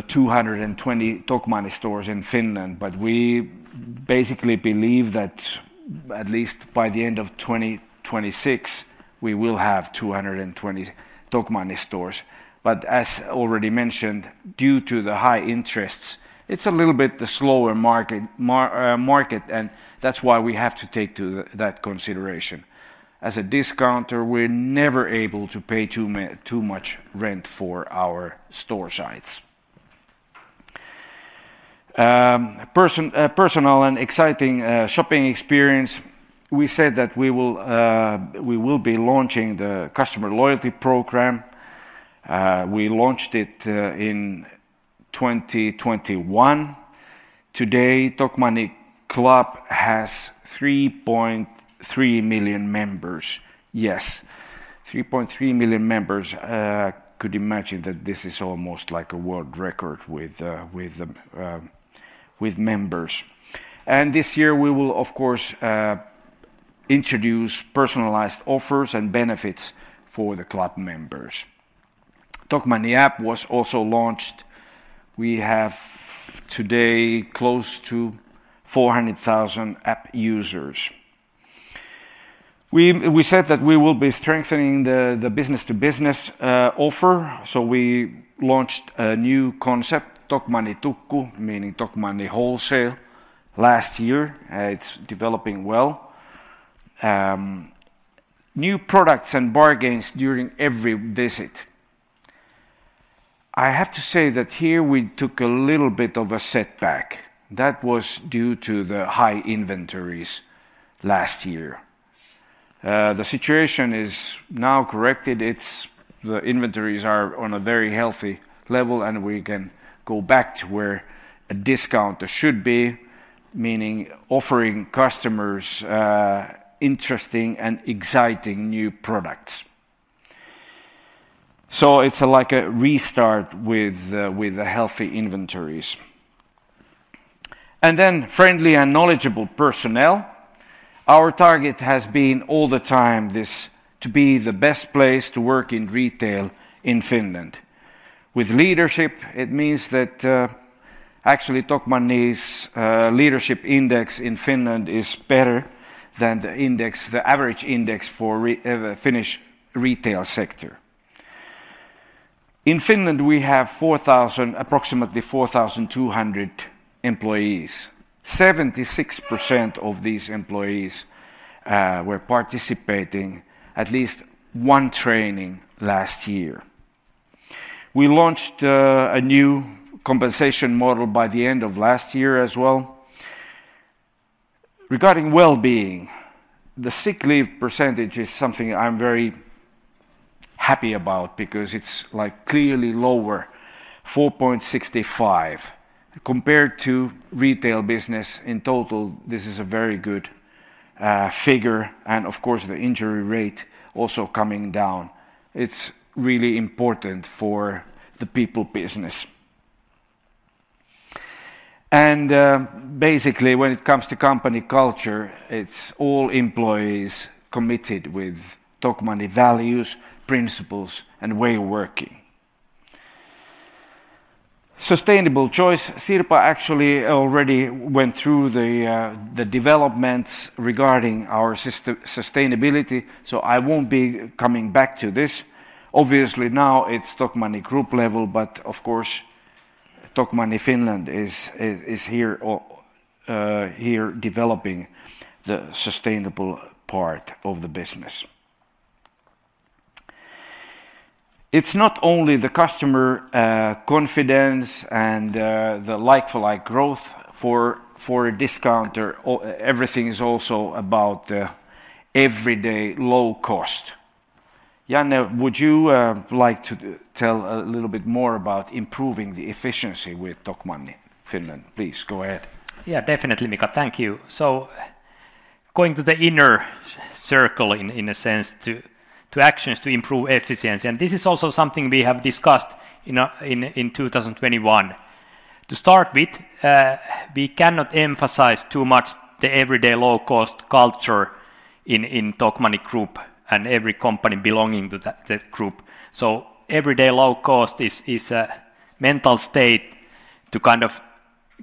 220 Tokmanni stores in Finland. But we basically believe that at least by the end of 2026, we will have 220 Tokmanni stores. But as already mentioned, due to the high interests, it's a little bit the slower market. And that's why we have to take that into consideration. As a discounter, we're never able to pay too much rent for our store sites. Personal and exciting shopping experience. We said that we will be launching the customer loyalty program. We launched it in 2021. Today, Tokmanni Club has 3.3 million members. Yes. 3.3 million members. You could imagine that this is almost like a world record with the members. And this year, we will, of course, introduce personalized offers and benefits for the club members. Tokmanni app was also launched. We have today close to 400,000 app users. We said that we will be strengthening the business-to-business offer. So we launched a new concept, Tokmanni Tukku, meaning Tokmanni wholesale, last year. It's developing well. New products and bargains during every visit. I have to say that here we took a little bit of a setback. That was due to the high inventories last year. The situation is now corrected. The inventories are on a very healthy level, and we can go back to where a discounter should be, meaning offering customers interesting and exciting new products. So it's like a restart with the healthy inventories. And then, friendly and knowledgeable personnel. Our target has been all the time this to be the best place to work in retail in Finland. With leadership, it means that actually Tokmanni's leadership index in Finland is better than the average index for the Finnish retail sector. In Finland, we have approximately 4,200 employees. 76% of these employees were participating at least one training last year. We launched a new compensation model by the end of last year as well. Regarding well-being, the sick leave percentage is something I'm very happy about because it's like clearly lower, 4.65%, compared to retail business. In total, this is a very good figure. And of course, the injury rate also coming down. It's really important for the people business. And basically, when it comes to company culture, it's all employees committed with Tokmanni values, principles, and way of working. Sustainable choice. Sirpa actually already went through the developments regarding our sustainability, so I won't be coming back to this. Obviously, now it's Tokmanni Group level, but of course, Tokmanni Finland is here developing the sustainable part of the business. It's not only the customer confidence and the like-for-like growth for a discounter. Everything is also about the everyday low cost. Janne, would you like to tell a little bit more about improving the efficiency with Tokmanni, Finland? Please, go ahead. Yeah, definitely, Mika. Thank you. So going to the inner circle, in a sense, to actions to improve efficiency. This is also something we have discussed in 2021. To start with, we cannot emphasize too much the everyday low-cost culture in Tokmanni Group and every company belonging to the group. Everyday low cost is a mental state to kind of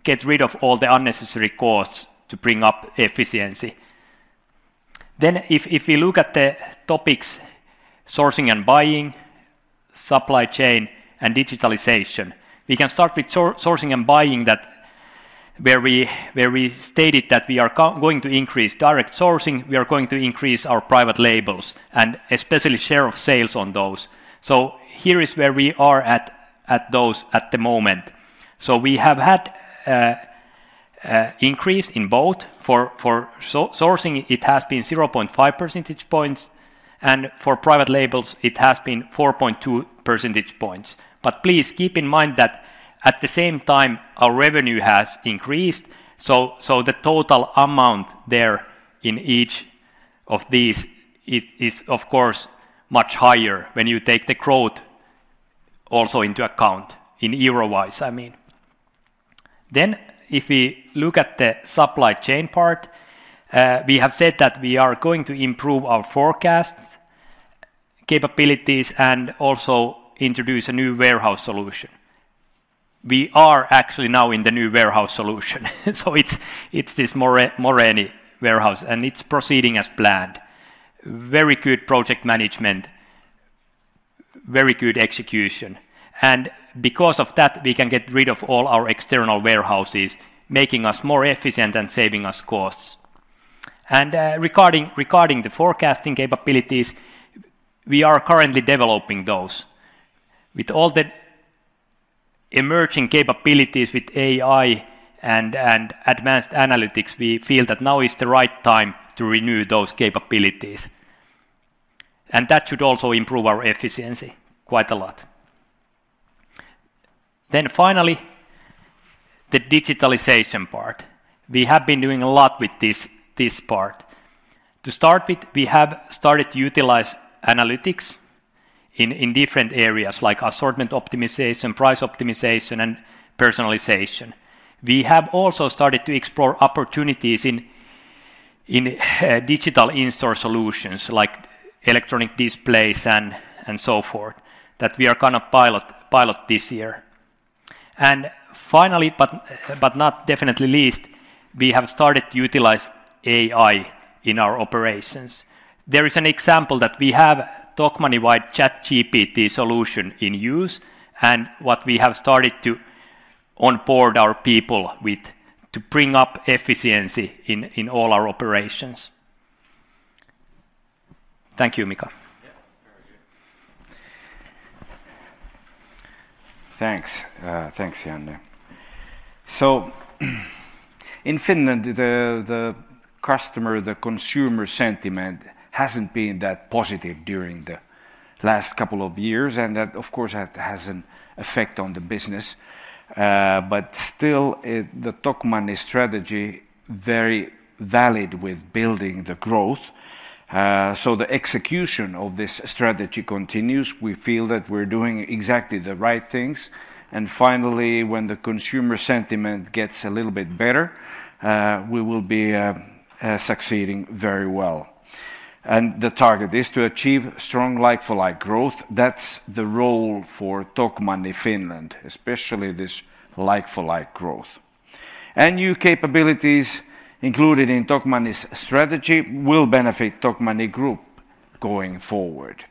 get rid of all the unnecessary costs to bring up efficiency. Then if we look at the topics sourcing and buying, supply chain, and digitalization, we can start with sourcing and buying, where we stated that we are going to increase direct sourcing, we are going to increase our private labels and especially share of sales on those. Here is where we are at those at the moment. We have had an increase in both. For sourcing, it has been 0.5 percentage points. For private labels, it has been 4.2 percentage points. But please keep in mind that at the same time, our revenue has increased. So so the total amount there in each of these is, of course, much higher when you take the growth also into account, in euro wise, I mean. Then if we look at the supply chain part, we have said that we are going to improve our forecast capabilities and also introduce a new warehouse solution. We are actually now in the new warehouse solution. So it's this Moreeni warehouse and it's proceeding as planned. Very good project management. Very good execution. And because of that, we can get rid of all our external warehouses, making us more efficient and saving us costs. And regarding the forecasting capabilities, we are currently developing those. With all the emerging capabilities with AI and advanced analytics, we feel that now is the right time to renew those capabilities. That should also improve our efficiency quite a lot. Then finally, the digitalization part. We have been doing a lot with this part. To start with, we have started to utilize analytics in different areas like assortment optimization, price optimization, and personalization. We have also started to explore opportunities in digital in-store solutions like electronic displays and so forth that we are going to pilot this year. And finally, last but not least, we have started to utilize AI in our operations. There is an example that we have Tokmanni-wide ChatGPT solution in use and what we have started to onboard our people with to bring up efficiency in all our operations. Thank you, Mika. Yeah, very good. Thanks. Thanks, Janne. So in Finland, the customer, the consumer sentiment hasn't been that positive during the last couple of years. And that, of course, has an effect on the business. But still, the Tokmanni strategy is very valid with building the growth. So the execution of this strategy continues. We feel that we're doing exactly the right things. And finally, when the consumer sentiment gets a little bit better, we will be succeeding very well. And the target is to achieve strong like-for-like growth. That's the role for Tokmanni Finland, especially this like-for-like growth. And new capabilities included in Tokmanni's strategy will benefit Tokmanni Group going forward.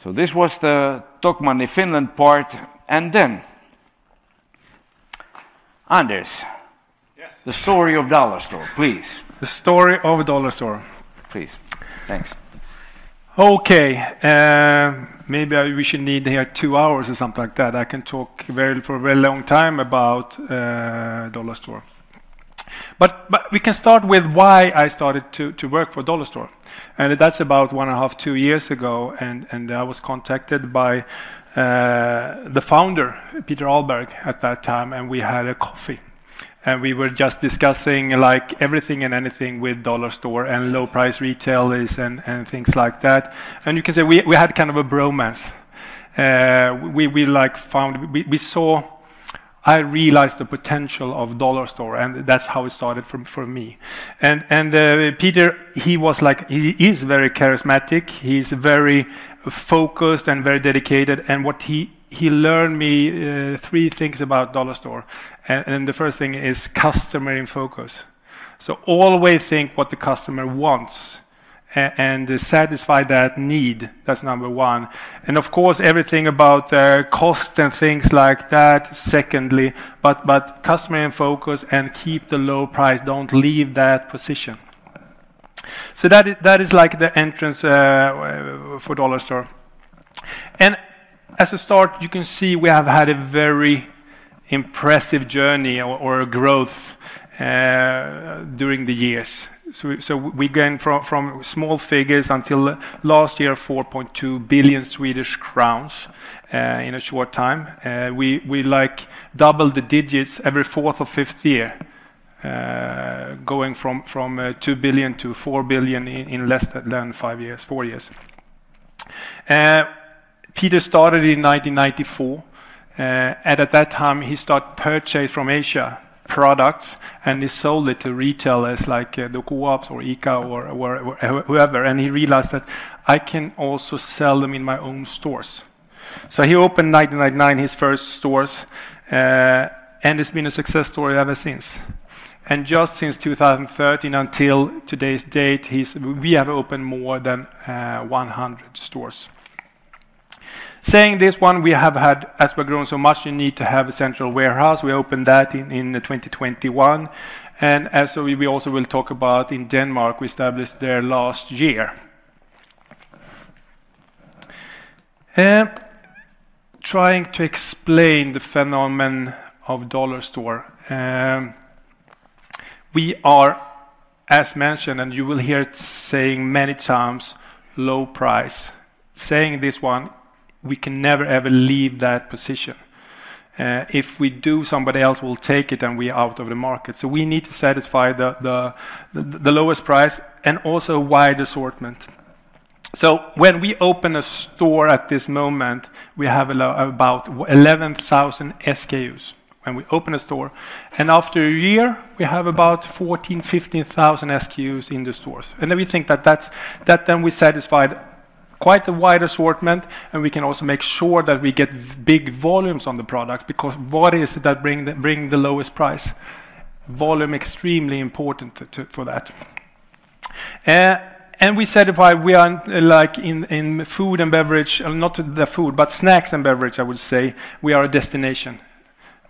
So this was the Tokmanni Finland part. And then, Anders. Yes, the story of Dollarstore, please. The story of Dollarstore. Please. Thanks. Okay. Maybe we should need here 2 hours or something like that. I can talk very for a very long time about Dollarstore. But we can start with why I started to work for Dollarstore. And that's about 1.5, 2 years ago. I was contacted by the founder, Peter Ahlberg, at that time. We had a coffee. We were just discussing like everything and anything with Dollarstore and low-price retailers and things like that. You can say we had kind of a bromance. We, like, found we saw. I realized the potential of Dollarstore. That's how it started for me. Peter, he was like he is very charismatic. He's very focused and very dedicated. What he learned me three things about Dollarstore. The first thing is customer in focus. So always think what the customer wants and satisfy that need. That's number one. Of course, everything about costs and things like that, secondly. But customer in focus and keep the low price. Don't leave that position. So that is like the entrance for Dollarstore. As a start, you can see we have had a very impressive journey or growth during the years. So we went from small figures until last year, 4.2 billion Swedish crowns in a short time. We like doubled the digits every fourth or fifth year, going from 2 billion to 4 billion in less than five years, four years. Peter started in 1994. And at that time, he started purchasing from Asia products and he sold it to retailers like the Coop or ICA or whoever. And he realized that I can also sell them in my own stores. So he opened 1999 his first stores. And it's been a success story ever since. And just since 2013 until today's date, we have opened more than 100 stores. Saying this one, we have had, as we've grown so much, you need to have a central warehouse. We opened that in 2021. As we also will talk about, in Denmark, we established there last year. Trying to explain the phenomenon of Dollarstore. We are, as mentioned, and you will hear it saying many times, low price. Saying this one, we can never, ever leave that position. If we do, somebody else will take it and we are out of the market. So we need to satisfy the lowest price and also wide assortment. So when we open a store at this moment, we have about 11,000 SKUs when we open a store. After a year, we have about 14,000, 15,000 SKUs in the stores. Then we think that that's that then we satisfy quite a wide assortment. We can also make sure that we get big volumes on the product because what is it that brings the lowest price? Volume, extremely important for that. And we satisfy, we are like in food and beverage, not the food, but snacks and beverage, I would say, we are a destination.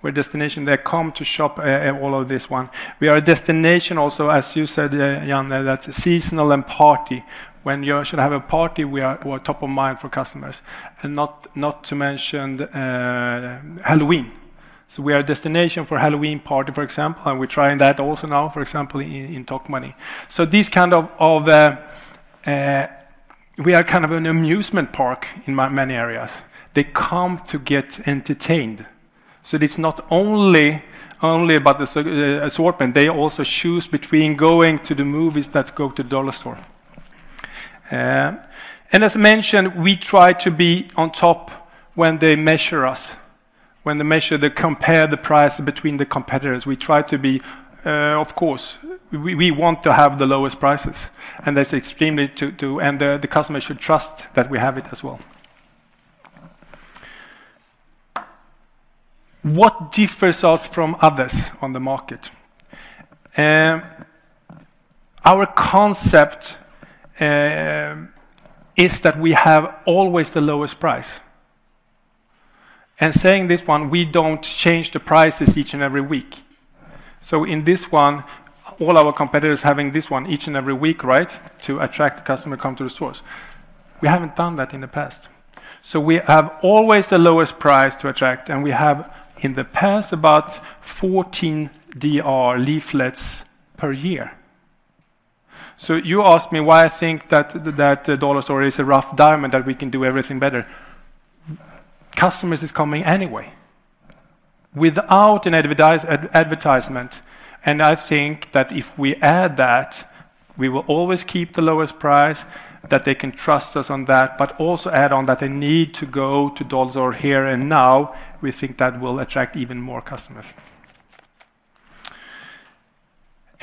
We're a destination that come to shop all of this one. We are a destination also, as you said, Janne, that's seasonal and party. When you should have a party, we are top of mind for customers. And not to mention Halloween. So we are a destination for Halloween party, for example. And we're trying that also now, for example, in Tokmanni. So these kind of we are kind of an amusement park in many areas. They come to get entertained. So it's not only about the assortment. They also choose between going to the movies that go to Dollarstore. And as mentioned, we try to be on top when they measure us. When they measure, they compare the price between the competitors. We try to be, of course. We want to have the lowest prices. And that's extremely to. And the customer should trust that we have it as well. What differs us from others on the market? Our concept is that we have always the lowest price. And saying this one, we don't change the prices each and every week. So in this one, all our competitors having this one each and every week, right, to attract the customer come to the stores. We haven't done that in the past. So we have always the lowest price to attract. And we have, in the past, about 14 DR leaflets per year. So you asked me why I think that Dollarstore is a rough diamond, that we can do everything better. Customers are coming anyway without an advertisement. I think that if we add that, we will always keep the lowest price, that they can trust us on that, but also add on that they need to go to Dollarstore here and now. We think that will attract even more customers.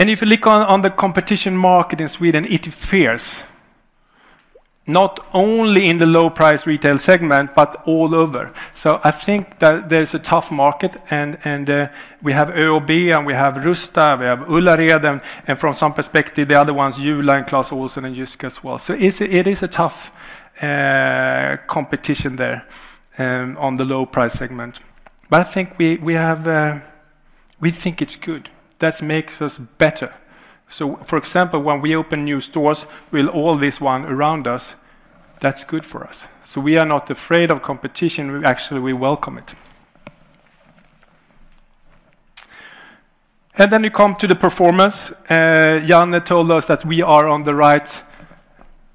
If you look on the competition market in Sweden, it's fierce. Not only in the low-price retail segment, but all over. I think that there's a tough market. We have ÖoB and we have Rusta, we have Gekås Ullared. From some perspective, the other ones, Jula, and Clas Ohlson and Jysk as well. It is a tough competition there on the low-price segment. But I think we have... We think it's good. That makes us better. For example, when we open new stores, we'll all this one around us. That's good for us. We are not afraid of competition. Actually, we welcome it. And then you come to the performance. Janne told us that we are on the right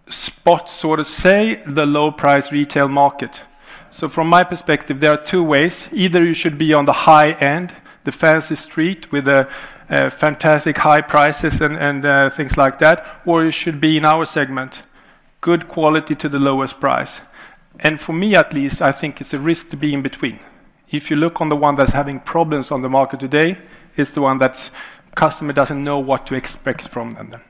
spot, so to say, the low-price retail market. So from my perspective, there are two ways. Either you should be on the high end, the fancy street with the fantastic high prices and things like that, or you should be in our segment, good quality to the lowest price. And for me at least, I think it's a risk to be in between. If you look on the one that's having problems on the market today, it's the one that customer doesn't know what to expect from them.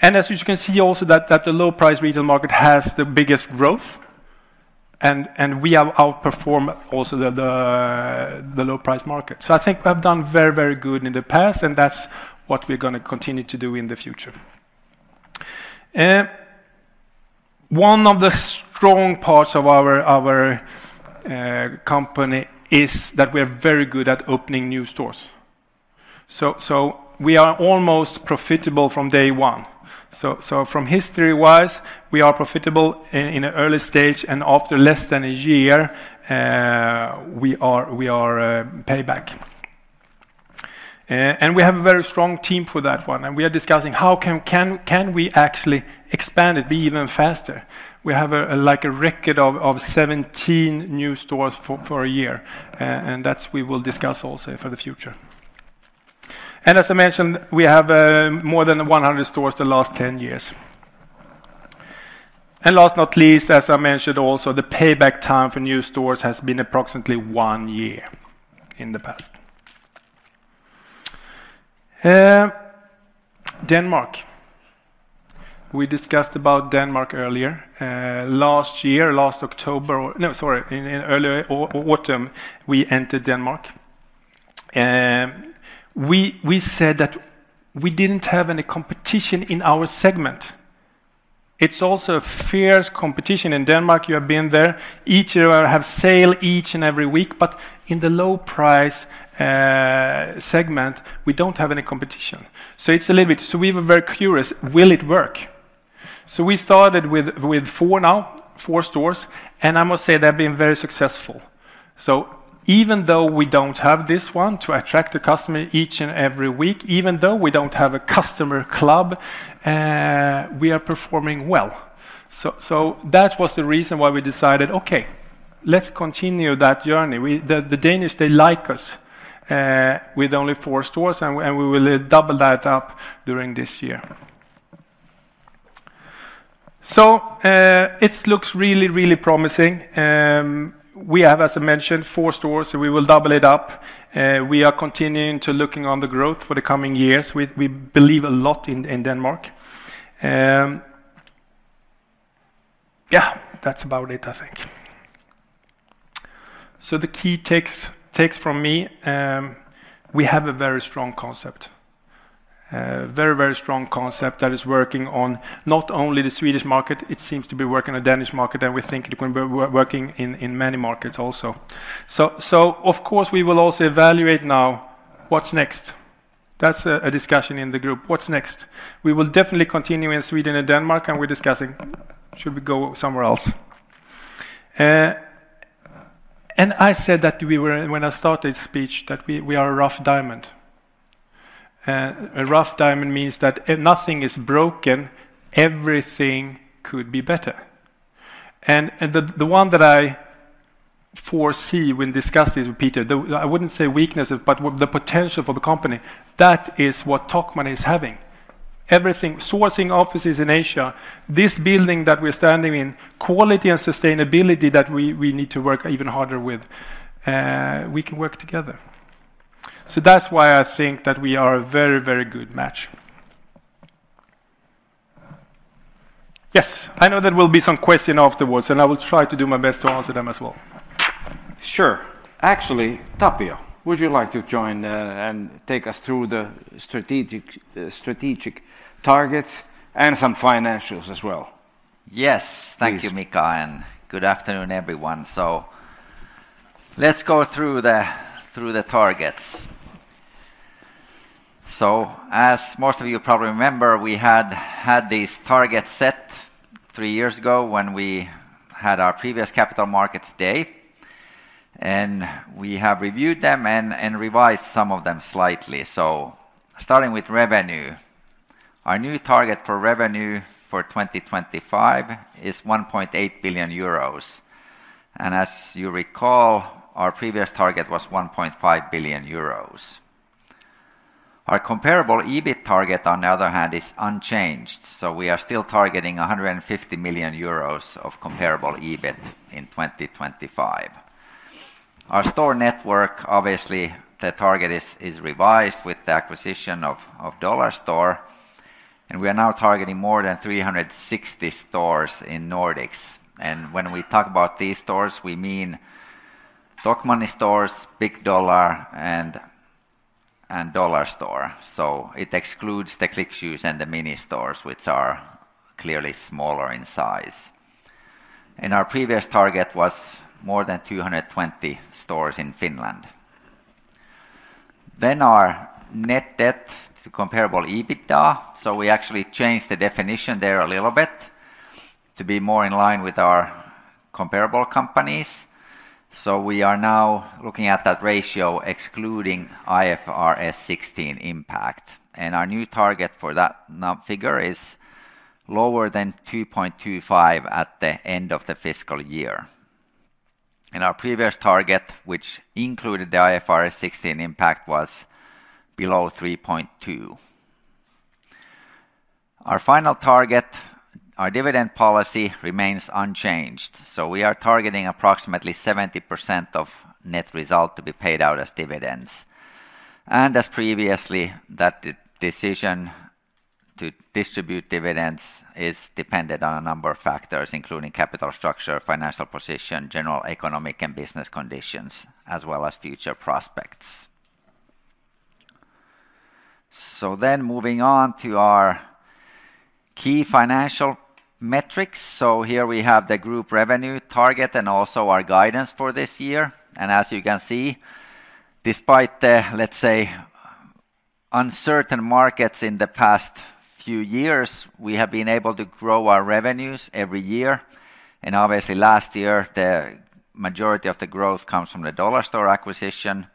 And as you can see also, that the low-price retail market has the biggest growth. And we have outperformed also the low-price market. So I think we have done very, very good in the past. And that's what we're going to continue to do in the future. One of the strong parts of our company is that we are very good at opening new stores. So we are almost profitable from day one. So from history wise, we are profitable in an early stage. And after less than a year, we are payback. And we have a very strong team for that one. And we are discussing how can we actually expand it, be even faster. We have like a record of 17 new stores for a year. And that's we will discuss also for the future. And as I mentioned, we have more than 100 stores the last 10 years. And last but not least, as I mentioned also, the payback time for new stores has been approximately one year in the past. Denmark. We discussed about Denmark earlier. Last year, last October or no, sorry, in early autumn, we entered Denmark. We said that we didn't have any competition in our segment. It's also a fierce competition in Denmark. You have been there. Each of our have sale each and every week. But in the low-price segment, we don't have any competition. So it's a little bit so we were very curious, will it work? So we started with 4 now, 4 stores. And I must say they have been very successful. So even though we don't have this one to attract the customer each and every week, even though we don't have a customer club, we are performing well. So so that was the reason why we decided, okay, let's continue that journey. The Danish, they like us with only 4 stores. And we will double that up during this year. So it looks really, really promising. We have, as I mentioned, four stores. So we will double it up. We are continuing to looking on the growth for the coming years. We believe a lot in Denmark. Yeah, that's about it, I think. So the key takes from me, we have a very strong concept. A very, very strong concept that is working on not only the Swedish market. It seems to be working on the Danish market. And we think it's working in many markets also. So of course, we will also evaluate now what's next. That's a discussion in the group. What's next? We will definitely continue in Sweden and Denmark. And we're discussing, should we go somewhere else? And I said that we were, when I started the speech, that we are a rough diamond. A rough diamond means that nothing is broken. Everything could be better. The one that I foresee when discussing with Peter, I wouldn't say weaknesses, but the potential for the company, that is what Tokmanni is having. Everything, sourcing offices in Asia, this building that we're standing in, quality and sustainability that we need to work even harder with, we can work together. So that's why I think that we are a very, very good match. Yes, I know there will be some questions afterwards. I will try to do my best to answer them as well. Sure. Actually, Tapio, would you like to join and take us through the strategic targets and some financials as well? Yes. Thank you, Mika. Good afternoon, everyone. Let's go through the targets. As most of you probably remember, we had these targets set three years ago when we had our previous Capital Markets Day. We have reviewed them and revised some of them slightly. So starting with revenue, our new target for revenue for 2025 is 1.8 billion euros. And as you recall, our previous target was 1.5 billion euros. Our comparable EBIT target, on the other hand, is unchanged. So we are still targeting 150 million euros of comparable EBIT in 2025. Our store network, obviously, the target is revised with the acquisition of Dollarstore. And we are now targeting more than 360 stores in Nordics. And when we talk about these stores, we mean Tokmanni stores, Big Dollar, and Dollarstore. So it excludes the Click Shoes and the Miny stores, which are clearly smaller in size. And our previous target was more than 220 stores in Finland. Then our net debt to comparable EBITDA. So we actually changed the definition there a little bit to be more in line with our comparable companies. So we are now looking at that ratio excluding IFRS 16 impact. And our new target for that figure is lower than 2.25 at the end of the fiscal year. And our previous target, which included the IFRS 16 impact, was below 3.2. Our final target, our dividend policy, remains unchanged. So we are targeting approximately 70% of net result to be paid out as dividends. And as previously, that decision to distribute dividends is dependent on a number of factors, including capital structure, financial position, general economic and business conditions, as well as future prospects. So then moving on to our key financial metrics. So here we have the group revenue target and also our guidance for this year. As you can see, despite the, let's say, uncertain markets in the past few years, we have been able to grow our revenues every year. Obviously, last year, the majority of the growth comes from the Dollarstore acquisition.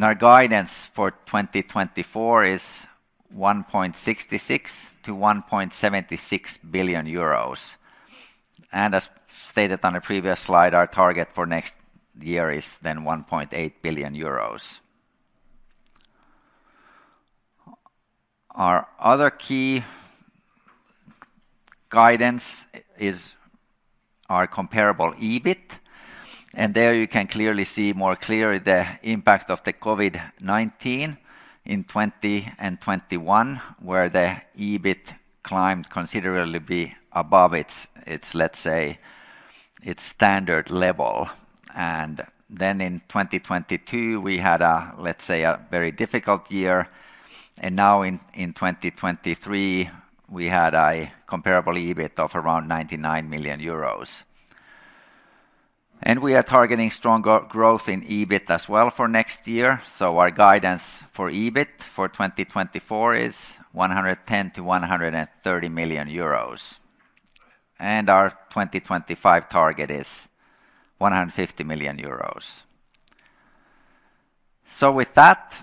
Our guidance for 2024 is 1.66 billion-1.76 billion euros. As stated on the previous slide, our target for next year is then 1.8 billion euros. Our other key guidance is our comparable EBIT. There you can clearly see more clearly the impact of the COVID-19 in 2021, where the EBIT climbed considerably above its, let's say, its standard level. Then in 2022, we had a, let's say, a very difficult year. Now in 2023, we had a comparable EBIT of around 99 million euros. We are targeting strong growth in EBIT as well for next year. So our guidance for EBIT for 2024 is 110 million-130 million euros. And our 2025 target is 150 million euros. So with that,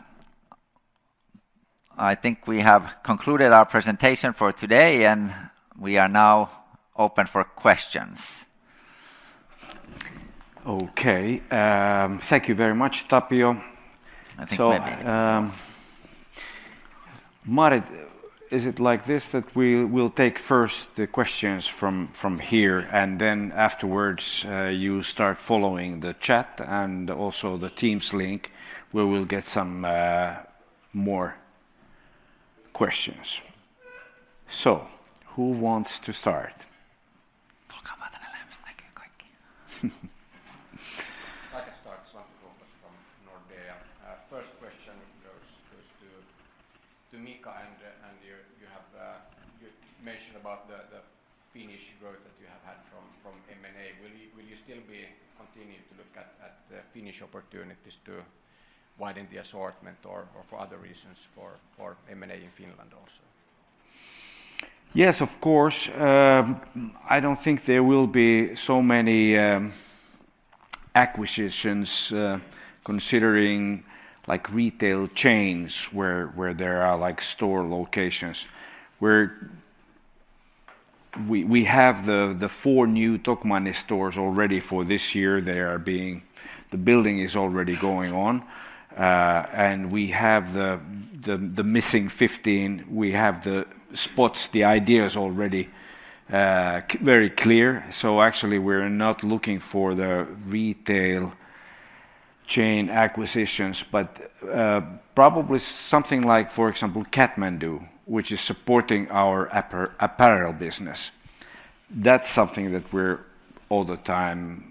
I think we have concluded our presentation for today. And we are now open for questions. - Okay. Thank you very much, Tapio. - I think maybe. - Maarit, is it like this that we will take first the questions from here? And then afterwards, you start following the chat and also the Teams link, where we'll get some more questions. So who wants to start? - Tulkaa vaan tänne lähemmäs, näkyy kaikki. - I can start. It's one question from Nordea. First question goes to Mika. And you mentioned about the Finnish growth that you have had from M&A. Will you still continue to look at Finnish opportunities to widen the assortment or for other reasons for M&A in Finland also? - Yes, of course. I don't think there will be so many acquisitions considering retail chains where there are store locations. We have the 4 new Tokmanni stores already for this year. They are being built. The building is already going on. And we have the missing 15. We have the spots, the ideas already very clear. So actually, we're not looking for the retail chain acquisitions. But probably something like, for example, Catmandoo, which is supporting our apparel business. That's something that we're all the time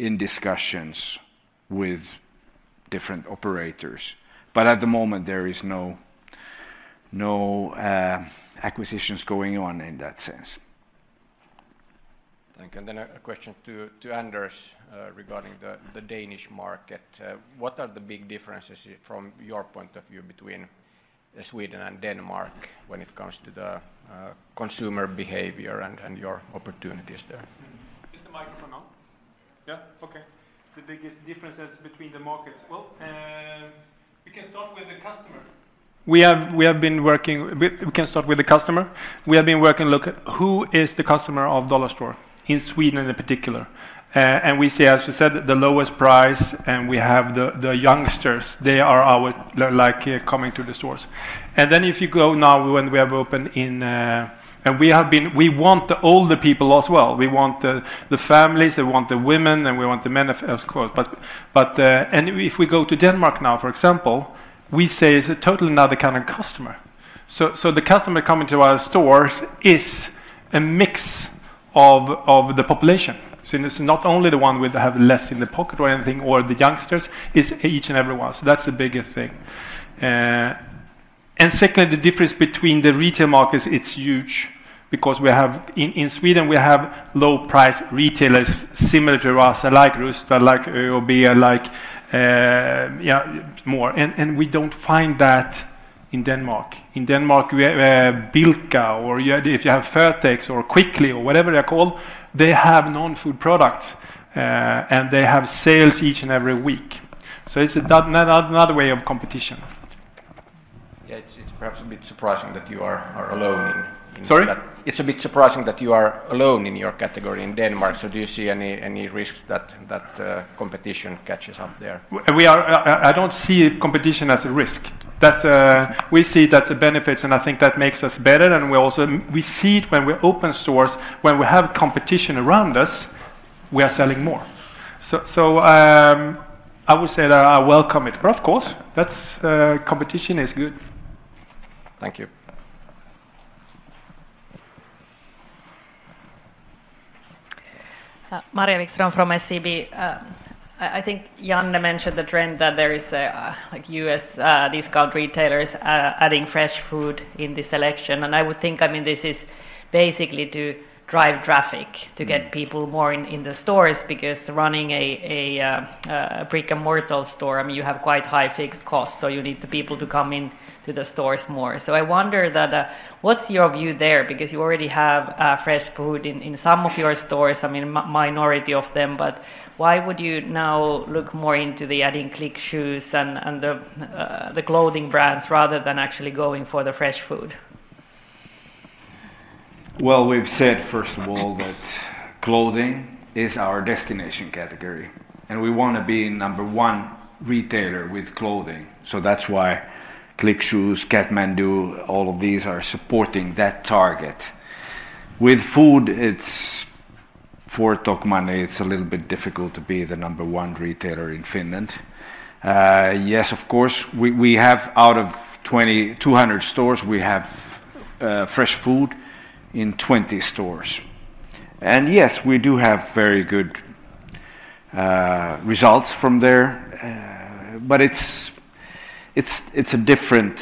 in discussions with different operators. But at the moment, there are no acquisitions going on in that sense. - Thank you. And then a question to Anders regarding the Danish market. What are the big differences, from your point of view, between Sweden and Denmark when it comes to the consumer behavior and your opportunities there? - Is the microphone on? Yeah? Okay. The biggest differences between the markets. Well, we can start with the customer. We have been working and looking at who is the customer of Dollarstore in Sweden in particular. And we see, as you said, the lowest price. And we have the youngsters. They are our like coming to the stores. And then if you go now when we have opened in, we want the older people as well. We want the families. We want the women. And we want the men, of course. But if we go to Denmark now, for example, we say it's a totally another kind of customer. So the customer coming to our stores is a mix of the population. So it's not only the one who have less in the pocket or anything or the youngsters. It's each and every one. So that's the biggest thing. And secondly, the difference between the retail markets, it's huge. Because we have in Sweden, we have low-price retailers similar to us, like Rusta, like ÖoB, like yeah more. And we don't find that in Denmark. In Denmark, Bilka or if you have Føtex or Kvickly or whatever they're called, they have non-food products. And they have sales each and every week. So it's another way of competition. - Yeah, it's perhaps a bit surprising that you are alone in that. - Sorry? - It's a bit surprising that you are alone in your category in Denmark. So do you see any risks that competition catches up there? - We are I don't see competition as a risk. That's a we see that's a benefit. And I think that makes us better. And we also see it when we open stores. When we have competition around us, we are selling more. So I would say that I welcome it. But of course, that's competition is good. - Thank you. Maria Wikström from SEB. I think Janne mentioned the trend that there is a U.S. discount retailers adding fresh food in the selection. And I would think, I mean, this is basically to drive traffic, to get people more in the stores. Because running a brick-and-mortar store, I mean, you have quite high fixed costs. So you need the people to come into the stores more. So I wonder that what's your view there? Because you already have fresh food in some of your stores, I mean, minority of them. But why would you now look more into adding Click Shoes and the clothing brands rather than actually going for the fresh food? - Well, we've said, first of all, that clothing is our destination category. And we want to be number one retailer with clothing. So that's why Click Shoes, Catmandoo, all of these are supporting that target. With food, it's for Tokmanni, it's a little bit difficult to be the number one retailer in Finland. Yes, of course, we have out of 200 stores, we have fresh food in 20 stores. And yes, we do have very good results from there. But it's a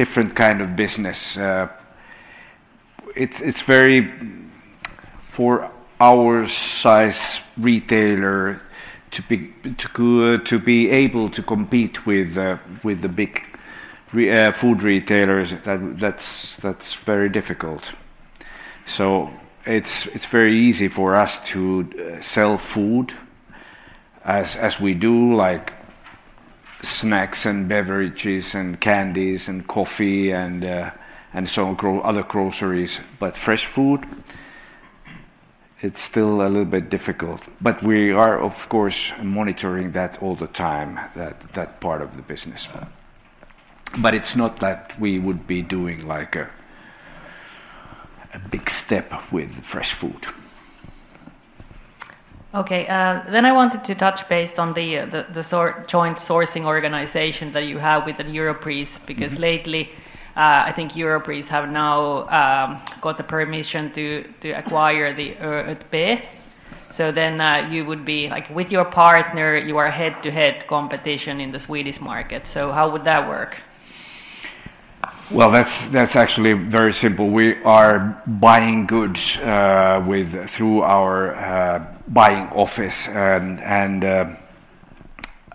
different kind of business. It's very for our size retailer to be able to compete with the big food retailers, that's very difficult. So it's very easy for us to sell food as we do, like snacks and beverages and candies and coffee and so on, other groceries. But fresh food, it's still a little bit difficult. But we are, of course, monitoring that all the time, that part of the business. But it's not that we would be doing like a big step with fresh food. - Okay. Then I wanted to touch base on the joint sourcing organization that you have with Europris. Because lately, I think Europris have now got the permission to acquire the ÖoB. So then you would be like with your partner, you are head-to-head competition in the Swedish market. So how would that work? - Well, that's actually very simple. We are buying goods through our buying office. And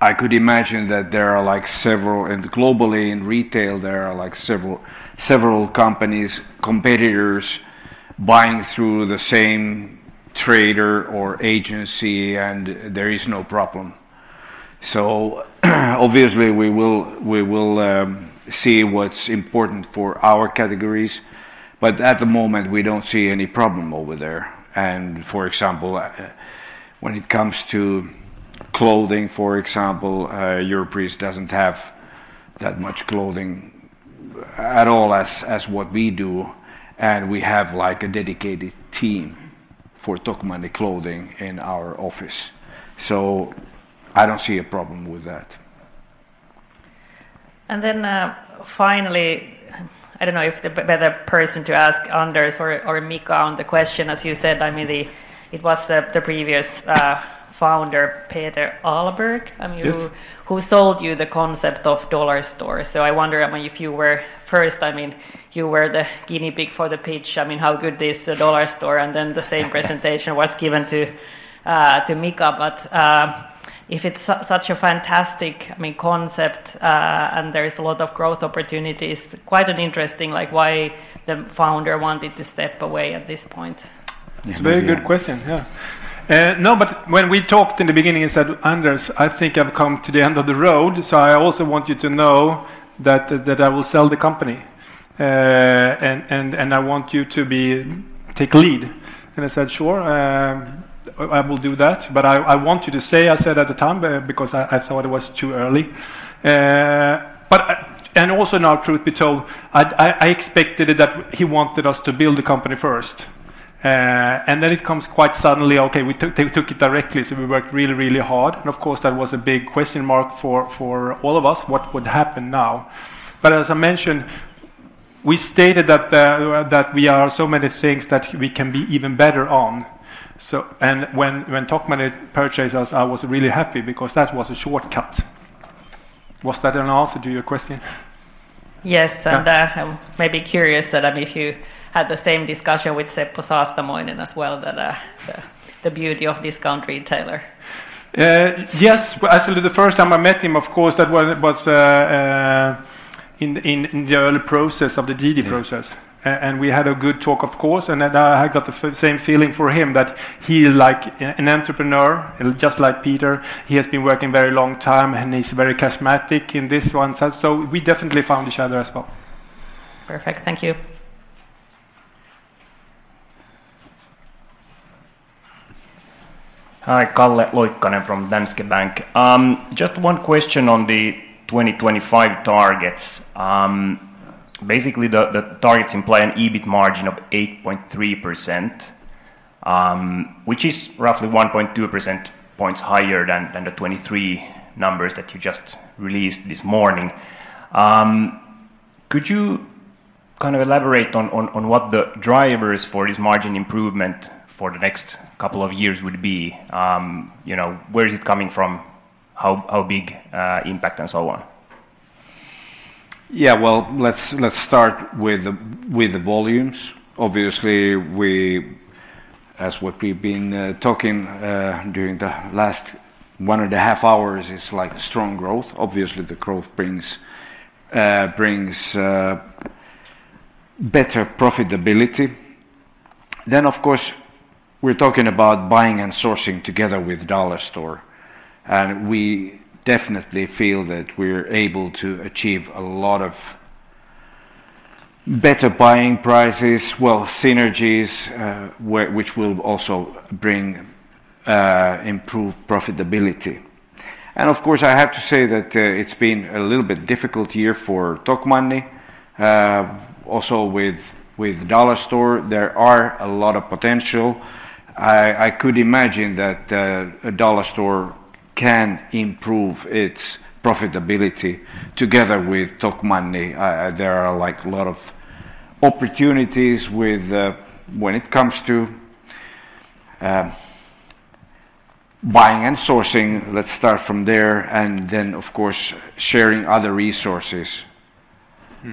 I could imagine that there are like several, and globally in retail, there are like several companies, competitors buying through the same trader or agency. And there is no problem. So obviously, we will see what's important for our categories. But at the moment, we don't see any problem over there. And for example, when it comes to clothing, for example, Europris doesn't have that much clothing at all as what we do. And we have like a dedicated team for Tokmanni clothing in our office. So I don't see a problem with that. And then finally, I don't know if the better person to ask Anders or Mika on the question. As you said, I mean, it was the previous founder, Peter Ahlberg, who sold you the concept of Dollarstore. So I wonder, I mean, if you were first, I mean, you were the guinea pig for the pitch. I mean, how good is the Dollarstore? And then the same presentation was given to Mika. But if it's such a fantastic, I mean, concept and there's a lot of growth opportunities, quite an interesting like why the founder wanted to step away at this point. It's a very good question. Yeah. No, but when we talked in the beginning, I said, "Anders, I think I've come to the end of the road. So I also want you to know that I will sell the company. And I want you to take lead." And I said, "Sure, I will do that. But I want you to say," I said at the time, because I thought it was too early. But and also, now truth be told, I expected that he wanted us to build the company first. And then it comes quite suddenly, okay, we took it directly. So we worked really, really hard. And of course, that was a big question mark for all of us, what would happen now? But as I mentioned, we stated that we are so many things that we can be even better on. So and when Tokmanni purchased us, I was really happy because that was a shortcut. Was that an answer to your question? - Yes. And I'm maybe curious that, I mean, if you had the same discussion with Seppo Saastamoinen as well, that the beauty of discount retailer. - Yes. Actually, the first time I met him, of course, that was in the early process of the DD process. And we had a good talk, of course. I got the same feeling for him, that he's like an entrepreneur, just like Peter. He has been working a very long time. He's very charismatic in this one. So we definitely found each other as well. - Perfect. Thank you. - Hi. Calle Loikkanen from Danske Bank. Just one question on the 2025 targets. Basically, the targets imply an EBIT margin of 8.3%, which is roughly 1.2 percentage points higher than the 2023 numbers that you just released this morning. Could you kind of elaborate on what the drivers for this margin improvement for the next couple of years would be? You know, where is it coming from? How big impact and so on? - Yeah. Well, let's start with the volumes. Obviously, as what we've been talking during the last 1.5 hours, it's like strong growth. Obviously, the growth brings better profitability. Then, of course, we're talking about buying and sourcing together with Dollarstore. And we definitely feel that we're able to achieve a lot of better buying prices, well, synergies, which will also bring improved profitability. And of course, I have to say that it's been a little bit difficult year for Tokmanni. Also with Dollarstore, there are a lot of potential. I could imagine that Dollarstore can improve its profitability together with Tokmanni. There are like a lot of opportunities when it comes to buying and sourcing. Let's start from there. And then, of course, sharing other resources.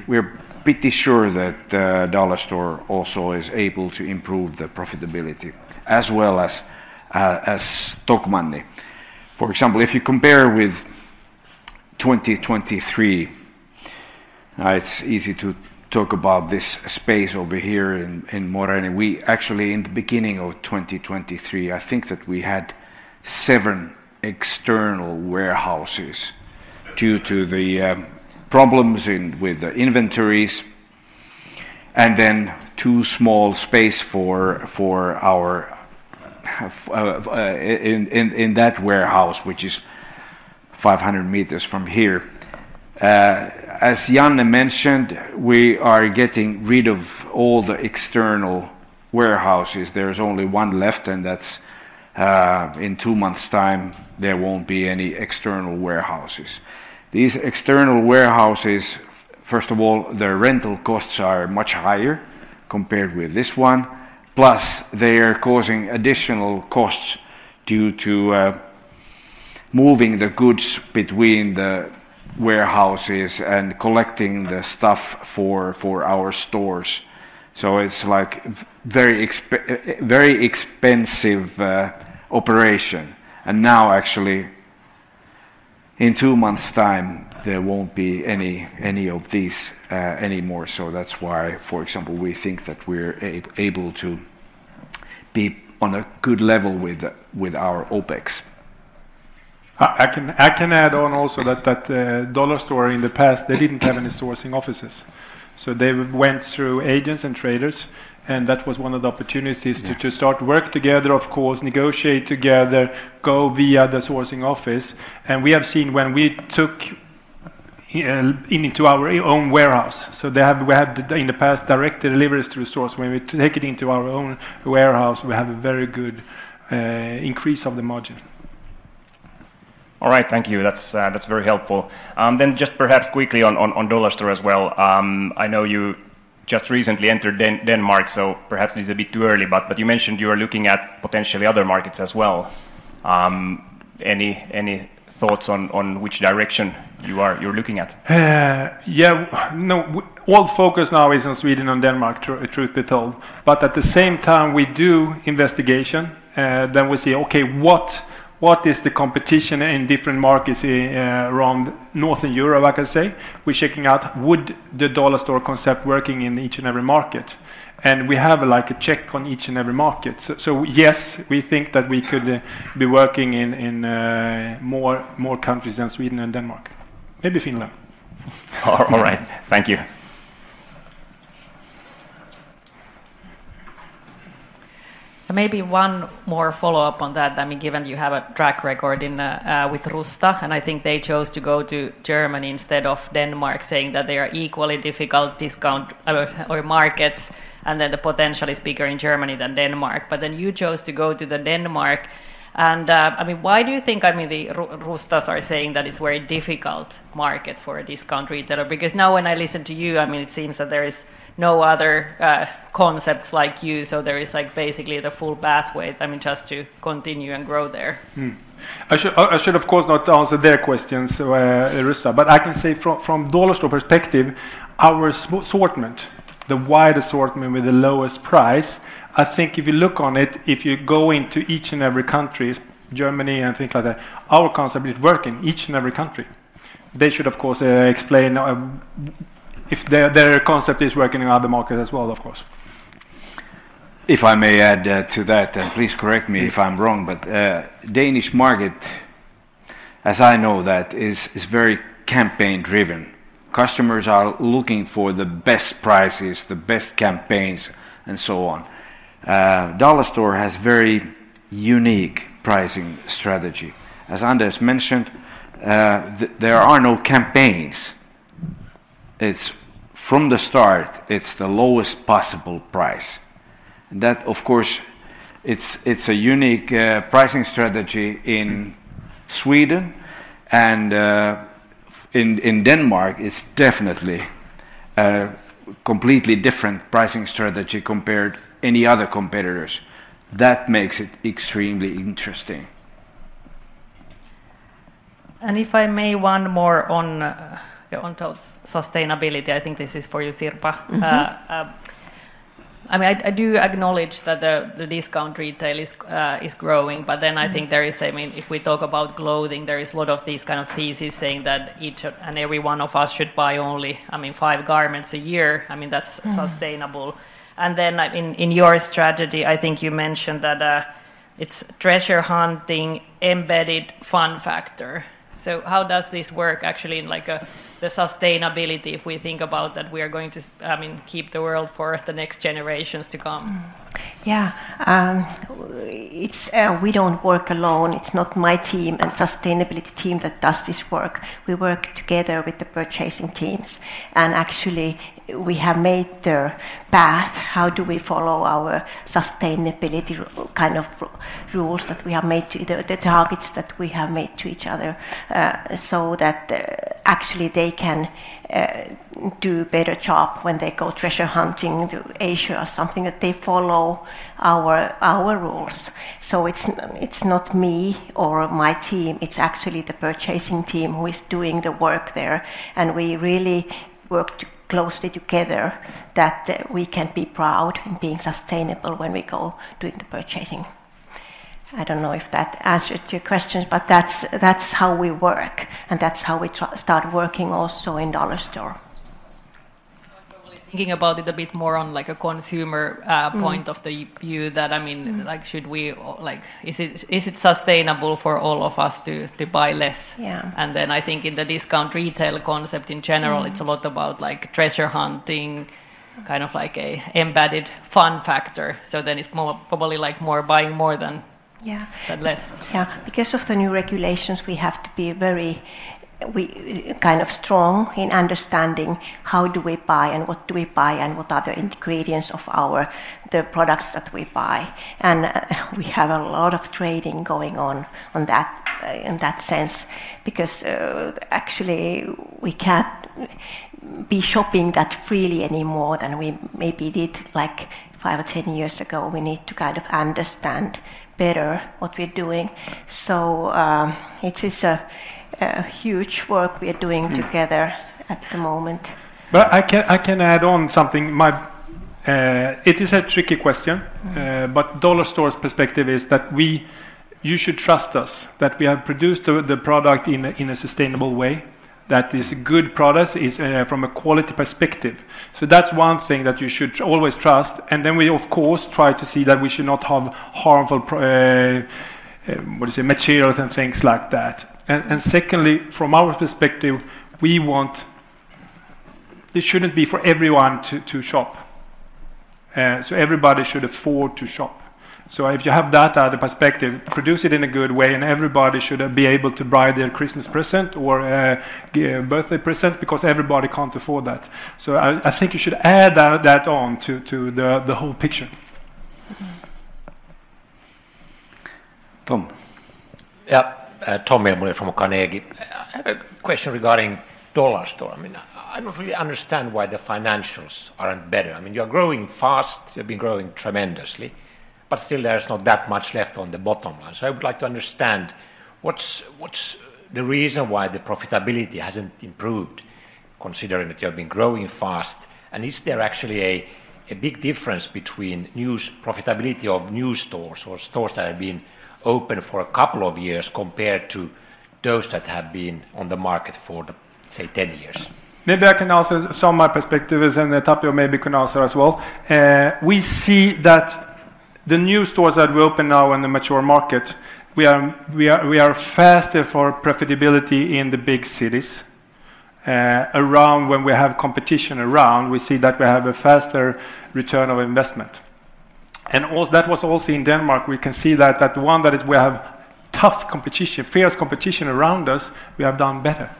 We're pretty sure that Dollarstore also is able to improve the profitability as well as Tokmanni. For example, if you compare with 2023, it's easy to talk about this space over here in Moreeni. We actually, in the beginning of 2023, I think that we had 7 external warehouses due to the problems with the inventories. And then too small space for our in that warehouse, which is 500 meters from here. As Janne mentioned, we are getting rid of all the external warehouses. There's only 1 left. And that's in two months' time; there won't be any external warehouses. These external warehouses, first of all, their rental costs are much higher compared with this one. Plus, they are causing additional costs due to moving the goods between the warehouses and collecting the stuff for our stores. So it's like a very expensive operation. And now, actually, in two months' time, there won't be any of these anymore. So that's why, for example, we think that we're able to be on a good level with our OpEx. - I can add on also that Dollarstore, in the past, they didn't have any sourcing offices. So they went through agents and traders. And that was one of the opportunities to start work together, of course, negotiate together, go via the sourcing office. And we have seen when we took it into our own warehouse. So we had, in the past, direct deliveries through stores. When we take it into our own warehouse, we have a very good increase of the margin. - All right. Thank you. That's very helpful. Then just perhaps quickly on Dollarstore as well. I know you just recently entered Denmark. So perhaps it is a bit too early. But you mentioned you are looking at potentially other markets as well. Any thoughts on which direction you're looking at? - Yeah. No, all focus now is on Sweden and Denmark, truth be told. But at the same time, we do investigation. Then we see, okay, what is the competition in different markets around Northern Europe, I can say? We're checking out, would the Dollarstore concept work in each and every market? And we have a check on each and every market. So yes, we think that we could be working in more countries than Sweden and Denmark, maybe Finland. - All right. Thank you. - And maybe one more follow-up on that. I mean, given you have a track record with Rusta. And I think they chose to go to Germany instead of Denmark, saying that they are equally difficult discounter markets. And then the potential is bigger in Germany than Denmark. But then you chose to go to Denmark. And I mean, why do you think, I mean, the Rusta's are saying that it's a very difficult market for a discount retailer? Because now when I listen to you, I mean, it seems that there is no other concepts like you. So there is like basically the full pathway, I mean, just to continue and grow there. - I should, of course, not answer their questions, Rusta. But I can say from Dollarstore perspective, our assortment, the wider assortment with the lowest price, I mean, if you look on it, if you go into each and every country, Germany and things like that, our concept is working in each and every country. They should, of course, explain if their concept is working in other markets as well, of course. - If I may add to that, and please correct me if I'm wrong. But Danish market, as I know that, is very campaign-driven. Customers are looking for the best prices, the best campaigns, and so on. Dollarstore has a very unique pricing strategy. As Anders mentioned, there are no campaigns. From the start, it's the lowest possible price. And that, of course, it's a unique pricing strategy in Sweden. And in Denmark, it's definitely a completely different pricing strategy compared to any other competitors. That makes it extremely interesting. - And if I may one more on sustainability. I think this is for you, Sirpa. I mean, I do acknowledge that the discount retail is growing. But then I think there is, I mean, if we talk about clothing, there is a lot of these kind of theses saying that each and every one of us should buy only, I mean, five garments a year. I mean, that's sustainable. And then in your strategy, I think you mentioned that it's treasure hunting, embedded fun factor. So how does this work actually in like the sustainability, if we think about that we are going to, I mean, keep the world for the next generations to come? Yeah. We don't work alone. It's not my team and sustainability team that does this work. We work together with the purchasing teams. And actually, we have made the path. How do we follow our sustainability kind of rules that we have made to the targets that we have made to each other so that actually they can do a better job when they go treasure hunting to Asia or something, that they follow our rules. So it's not me or my team. It's actually the purchasing team who is doing the work there. And we really work closely together that we can be proud in being sustainable when we go doing the purchasing. I don't know if that answered your questions. But that's how we work. And that's how we start working also in Dollarstore. - I was probably thinking about it a bit more on like a consumer point of view that, I mean, should we like is it sustainable for all of us to buy less? And then I think in the discount retail concept in general, it's a lot about like treasure hunting, kind of like an embedded fun factor. So then it's probably like more buying more than less. - Yeah. Because of the new regulations, we have to be very kind of strong in understanding how do we buy and what do we buy and what are the ingredients of the products that we buy. We have a lot of trading going on in that sense because actually, we can't be shopping that freely anymore than we maybe did like five or ten years ago. We need to kind of understand better what we're doing. So it is a huge work we are doing together at the moment. But I can add on something. It is a tricky question. But Dollarstore's perspective is that you should trust us, that we have produced the product in a sustainable way, that it's a good product from a quality perspective. So that's one thing that you should always trust. And then we, of course, try to see that we should not have harmful, what do you say, materials and things like that. And secondly, from our perspective, we want it shouldn't be for everyone to shop. So everybody should afford to shop. So if you have that perspective, produce it in a good way. And everybody should be able to buy their Christmas present or a birthday present because everybody can't afford that. So I think you should add that on to the whole picture. - Tom. - Yeah. Tommy Ilmoni from Carnegie. I have a question regarding Dollarstore. I mean, I don't really understand why the financials aren't better. I mean, you are growing fast. You have been growing tremendously. But still, there is not that much left on the bottom line. So I would like to understand what's the reason why the profitability hasn't improved, considering that you have been growing fast. And is there actually a big difference between profitability of new stores or stores that have been open for a couple of years compared to those that have been on the market for, say, ten years? Maybe I can answer some of my perspectives and Tapio maybe can answer as well. We see that the new stores that we open now in the mature market, we are faster for profitability in the big cities. Around when we have competition around, we see that we have a faster return of investment. And that was also in Denmark. We can see that the one that we have tough competition, fierce competition around us, we have done better.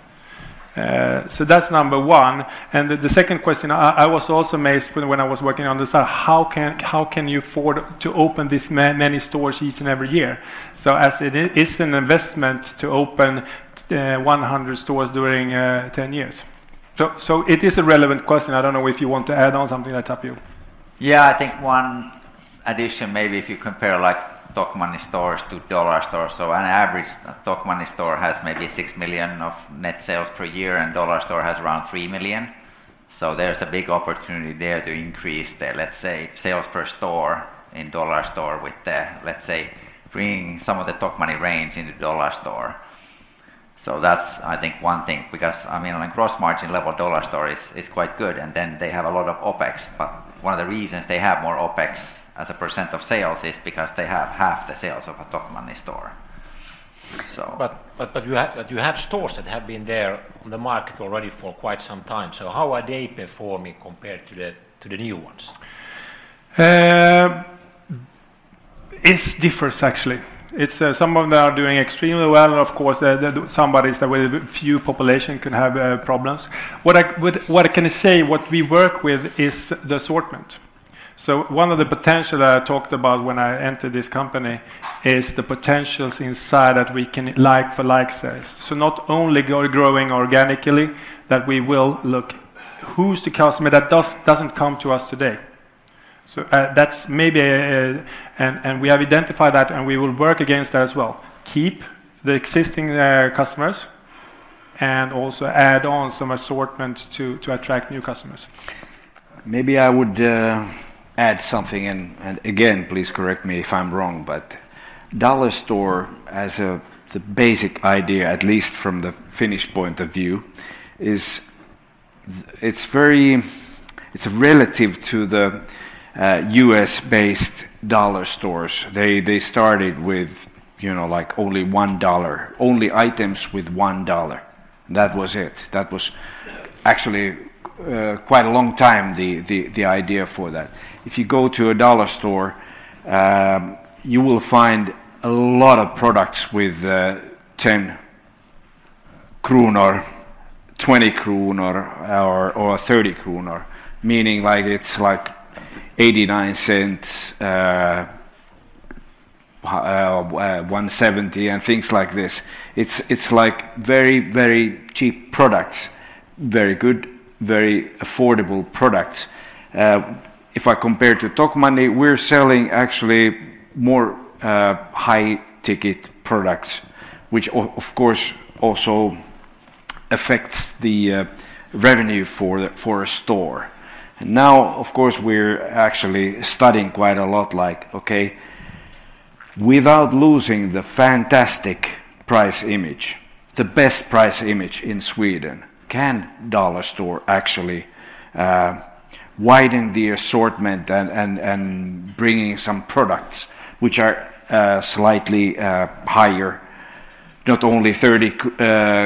So that's number one. And the second question, I was also amazed when I was working on this, how can you afford to open this many stores each and every year? So as it is an investment to open 100 stores during 10 years. So it is a relevant question. I don't know if you want to add on something there, Tapio. Yeah. I think one addition, maybe if you compare Tokmanni stores to Dollarstore stores or so, on average, Tokmanni store has maybe 6 million of net sales per year. And Dollarstore store has around 3 million. So there's a big opportunity there to increase the, let's say, sales per store in Dollarstore store with the, let's say, bringing some of the Tokmanni range into Dollarstore store. So that's, I think, one thing. Because, I mean, on a gross margin level, Dollarstore store is quite good. And then they have a lot of OpEx. But one of the reasons they have more OpEx as a % of sales is because they have half the sales of a Tokmanni store. - But you have stores that have been there on the market already for quite some time. So how are they performing compared to the new ones? - It differs, actually. Some of them are doing extremely well. Of course, somebody with a few populations can have problems. What I can say, what we work with is the assortment. So one of the potentials that I talked about when I entered this company is the potentials inside that we can like-for-like sales. So not only growing organically, that we will look at who's the customer that doesn't come to us today. So that's maybe a... And we have identified that. And we will work against that as well. Keep the existing customers. And also add on some assortment to attract new customers. Maybe I would add something. And again, please correct me if I'm wrong. But Dollarstore, as the basic idea, at least from the Finnish point of view, is very... It's relative to the US-based Dollarstores. They started with, you know, like only $1, only items with $1. That was it. That was actually quite a long time, the idea for that. If you go to a Dollarstore, you will find a lot of products with 10, 20, or SEK 30, meaning like it's like $0.89, $1.70, and things like this. It's like very, very cheap products, very good, very affordable products. If I compare to Tokmanni, we're selling actually more high-ticket products, which, of course, also affects the revenue for a store. And now, of course, we're actually studying quite a lot, like, okay, without losing the fantastic price image, the best price image in Sweden, can Dollarstore actually widen the assortment and bring in some products which are slightly higher, not only 30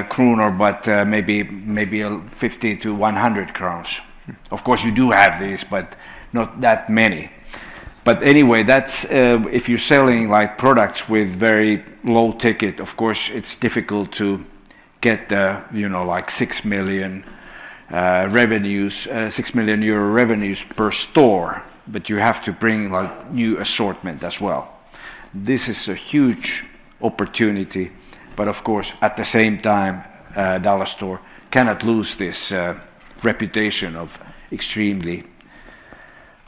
kronor, but maybe 50-100 crowns? Of course, you do have these, but not that many. But anyway, that's if you're selling products with very low ticket. Of course, it's difficult to get the, you know, like 6 million revenues per store. But you have to bring new assortment as well. This is a huge opportunity. But of course, at the same time, Dollarstore cannot lose this reputation of extremely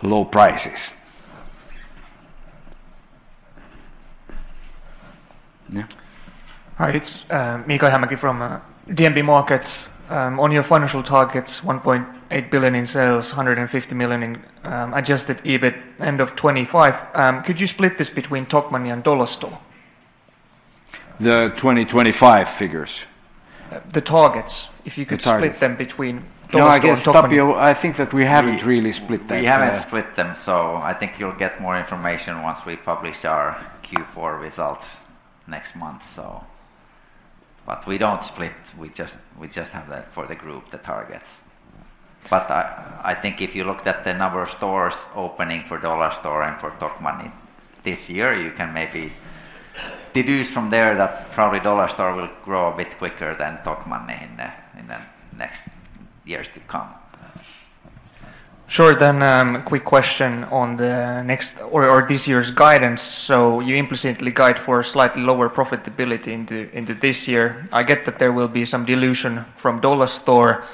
low prices. - Yeah. Hi. It's Miika Ihamäki from DNB Markets. On your financial targets, 1.8 billion in sales, 150 million in adjusted EBIT end of 2025. Could you split this between Tokmanni and Dollarstore? - The 2025 figures. - The targets, if you could split them between Dollarstore and Tokmanni. - No, I think that we haven't really split them. - We haven't split them. So I think you'll get more information once we publish our Q4 results next month, so. But we don't split. We just have that for the group, the targets. But I think if you looked at the number of stores opening for Dollarstore and for Tokmanni this year, you can maybe deduce from there that probably Dollarstore will grow a bit quicker than Tokmanni in the next years to come. Sure. Then a quick question on the next or this year's guidance. So you implicitly guide for a slightly lower profitability into this year. I get that there will be some dilution from Dollarstore,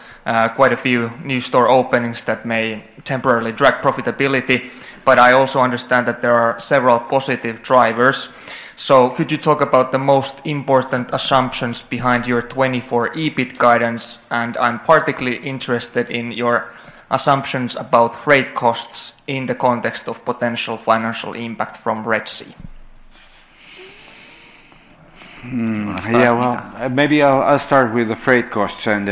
quite a few new store openings that may temporarily drag profitability. But I also understand that there are several positive drivers. So could you talk about the most important assumptions behind your 2024 EBIT guidance? And I'm particularly interested in your assumptions about freight costs in the context of potential financial impact from Red Sea. Yeah. Well, maybe I'll start with the freight costs. And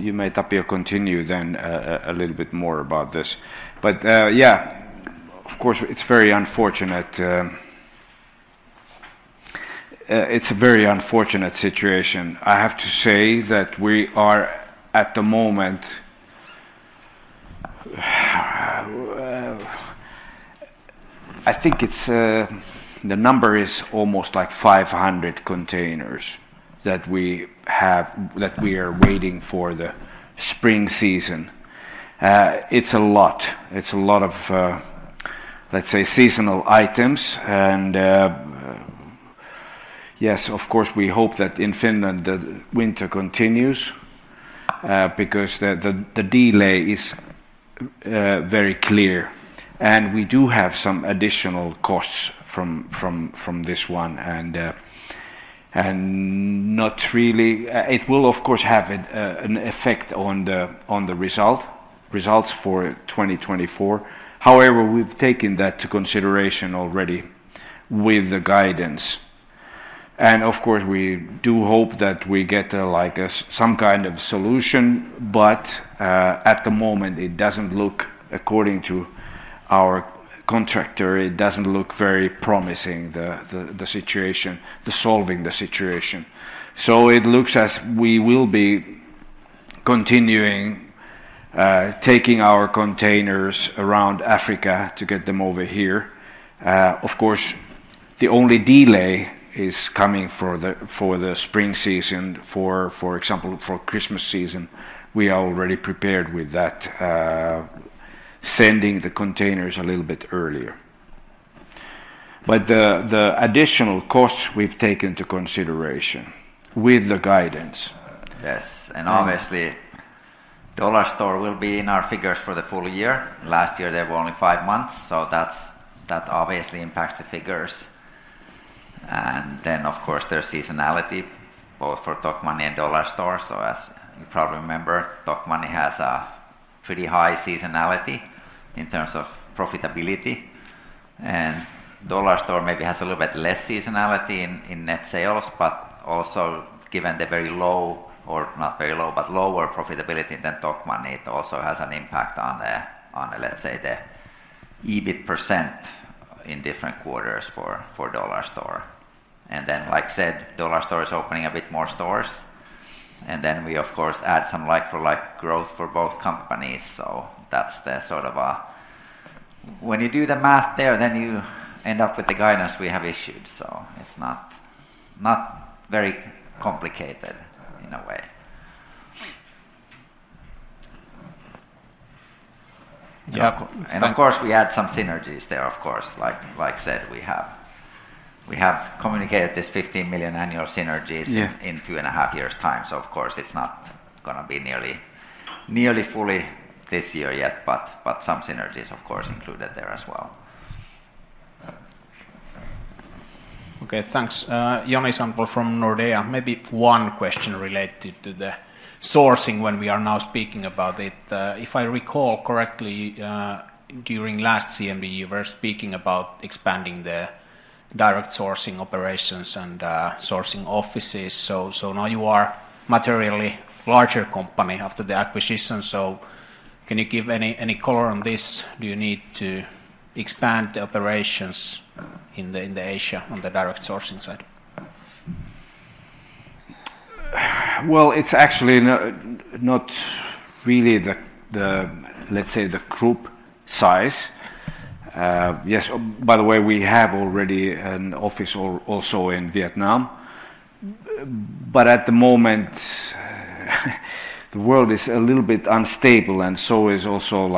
you may, Tapio, continue then a little bit more about this. But yeah, of course, it's very unfortunate. It's a very unfortunate situation. I have to say that we are at the moment... I think the number is almost like 500 containers that we are waiting for the spring season. It's a lot. It's a lot of, let's say, seasonal items. And yes, of course, we hope that in Finland the winter continues because the delay is very clear. And we do have some additional costs from this one. And not really... It will, of course, have an effect on the results for 2024. However, we've taken that to consideration already with the guidance. And of course, we do hope that we get some kind of solution. But at the moment, according to our contractor, it doesn't look very promising, the situation, solving the situation. So it looks like we will be continuing taking our containers around Africa to get them over here. Of course, the only delay is coming for the spring season. For example, for Christmas season, we are already prepared with that, sending the containers a little bit earlier. But the additional costs we've taken into consideration with the guidance. Yes. And obviously, Dollarstore will be in our figures for the full year. Last year, there were only five months. So that obviously impacts the figures. And then, of course, there's seasonality, both for Tokmanni and Dollarstore. So as you probably remember, Tokmanni has a pretty high seasonality in terms of profitability. And Dollarstore maybe has a little bit less seasonality in net sales. But also, given the very low or not very low, but lower profitability than Tokmanni, it also has an impact on the, let's say, the EBIT % in different quarters for Dollarstore. And then, like said, Dollarstore is opening a bit more stores. And then we, of course, add some like-for-like growth for both companies. So that's the sort of a... When you do the math there, then you end up with the guidance we have issued. So it's not very complicated in a way. - Yeah. - And of course, we add some synergies there, of course. Like said, we have communicated these 15 million annual synergies in two and a half years' time. So of course, it's not going to be nearly fully this year yet. But some synergies, of course, included there as well. - Okay. Thanks. Joni Sandvall from Nordea. Maybe one question related to the sourcing when we are now speaking about it. If I recall correctly, during last CMD, we were speaking about expanding the direct sourcing operations and sourcing offices. So now you are a materially larger company after the acquisition. So can you give any color on this? Do you need to expand the operations in Asia on the direct sourcing side? - Well, it's actually not really the, let's say, the group size. Yes. By the way, we have already an office also in Vietnam. But at the moment, the world is a little bit unstable. And so is also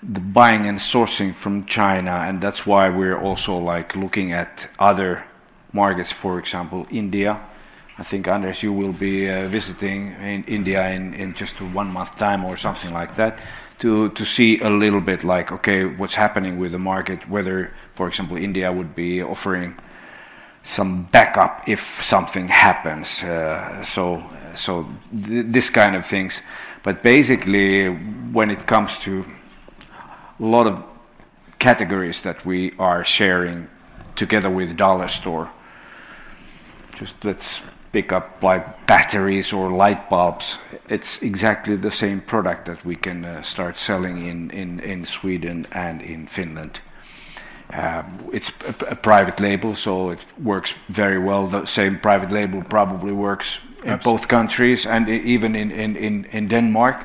the buying and sourcing from China. And that's why we're also looking at other markets. For example, India. I think, Anders, you will be visiting India in just one month's time or something like that, to see a little bit like, okay, what's happening with the market, whether, for example, India would be offering some backup if something happens. So these kind of things. But basically, when it comes to a lot of categories that we are sharing together with Dollarstore, just let's pick up batteries or light bulbs. It's exactly the same product that we can start selling in Sweden and in Finland. It's a private label. So it works very well. The same private label probably works in both countries and even in Denmark.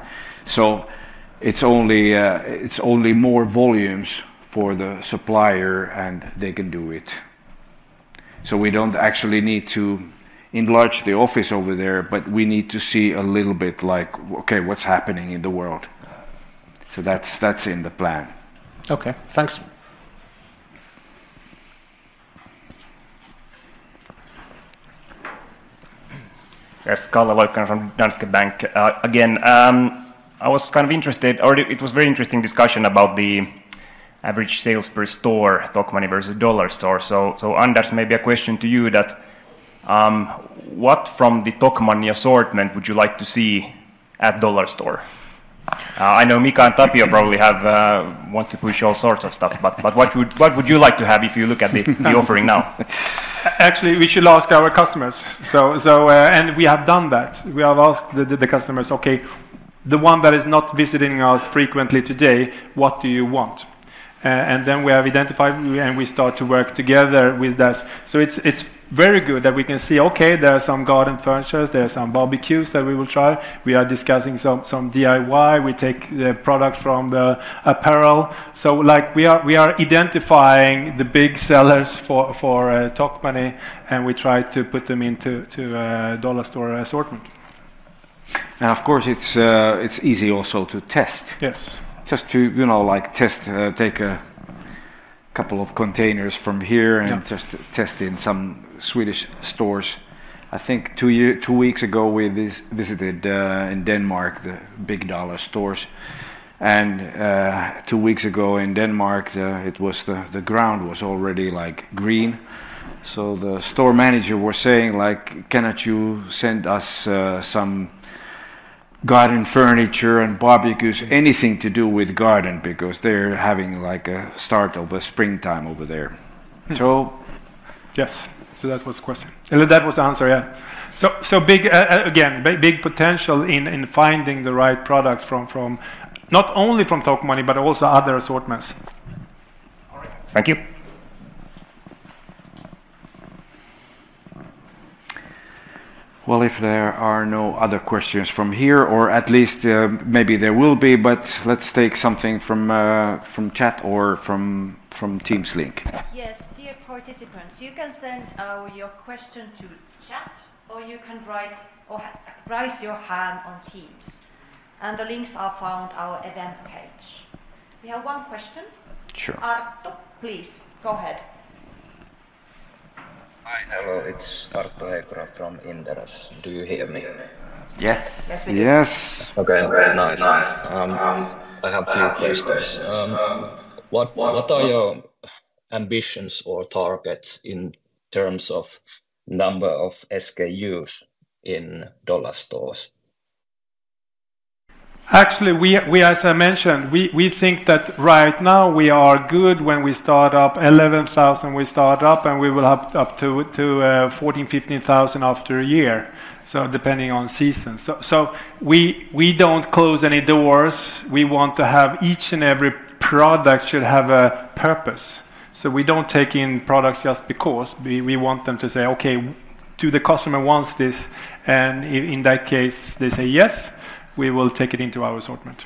So it's only more volumes for the supplier. And they can do it. So we don't actually need to enlarge the office over there. But we need to see a little bit like, okay, what's happening in the world? So that's in the plan. - Okay. Thanks. - Yes. Kalle Loikkanen from Danske Bank. Again, I was kind of interested. It was a very interesting discussion about the average sales per store, Tokmanni versus Dollarstore. So Anders, maybe a question to you. What from the Tokmanni assortment would you like to see at Dollarstore? I know Mika and Tapio probably want to push all sorts of stuff. But what would you like to have if you look at the offering now? - Actually, we should ask our customers. And we have done that. We have asked the customers, okay, the one that is not visiting us frequently today, what do you want? And then we have identified and we start to work together with this. So it's very good that we can see, okay, there are some garden furnitures. There are some barbecues that we will try. We are discussing some DIY. We take the product from apparel. So we are identifying the big sellers for Tokmanni. And we try to put them into Dollarstore assortment. And of course, it's easy also to test. Yes. Just to test, take a couple of containers from here and just test in some Swedish stores. I think two weeks ago, we visited in Denmark the big Dollarstore stores. And two weeks ago in Denmark, it was the ground was already green. So the store manager was saying, like, "Cannot you send us some garden furniture and barbecues, anything to do with garden, because they're having a start of a springtime over there?" So... Yes. So that was the question. That was the answer. Yeah. So big, again, big potential in finding the right products from not only from Tokmanni, but also other assortments. All right. Thank you. Well, if there are no other questions from here, or at least maybe there will be, but let's take something from chat or from Teams link. Yes. Dear participants, you can send your question to chat, or you can write or raise your hand on Teams. The links are found on our event page. We have one question. Sure. Arttu, please. Go ahead. Hi. Hello. It's Arttu Heikura from Inderes. Do you hear me? Yes. Yes, we do. Yes. Okay. Great. Nice. I have a few questions. What are your ambitions or targets in terms of number of SKUs in Dollarstore stores? Actually, as I mentioned, we think that right now we are good when we start up. 11,000 we start up. We will have up to 14,000-15,000 after a year, so depending on seasons. We don't close any doors. We want to have each and every product should have a purpose. We don't take in products just because. We want them to say, "Okay, do the customer wants this?" And in that case, they say, "Yes, we will take it into our assortment."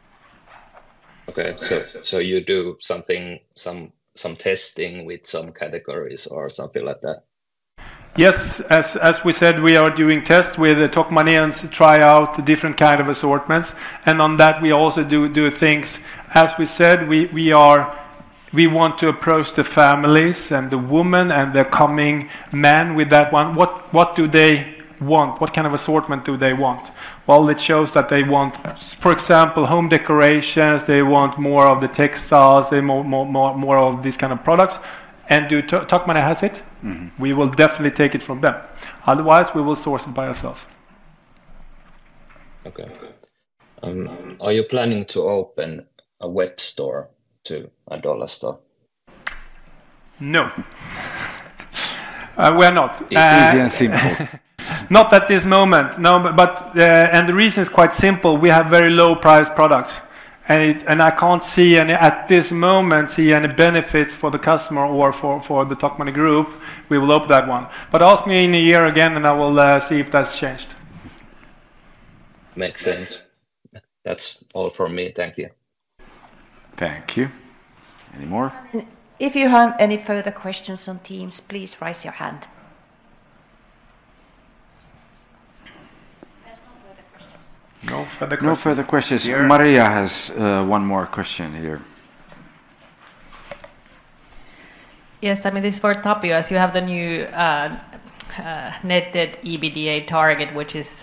- Okay. So you do something, some testing with some categories or something like that? - Yes. As we said, we are doing tests with Tokmanni and try out different kinds of assortments. And on that, we also do things. As we said, we want to approach the families and the women and the coming men with that one. What do they want? What kind of assortment do they want? Well, it shows that they want, for example, home decorations. They want more of the textiles. They want more of these kinds of products. And do Tokmanni has it? We will definitely take it from them. Otherwise, we will source it by ourselves. - Okay. Are you planning to open a web store to a Dollarstore? - No. We are not. - It's easy and simple. - Not at this moment. No. And the reason is quite simple. We have very low-priced products. And I can't see any, at this moment, see any benefits for the customer or for the Tokmanni Group. We will open that one. But ask me in a year again, and I will see if that's changed. - Makes sense. That's all from me. Thank you. - Thank you. Any more? - If you have any further questions on Teams, please raise your hand. - There's no further questions. - No further questions. No further questions. Maria has one more question here. Yes. I mean, this is for Tapio. As you have the new Net Debt EBITDA target, which is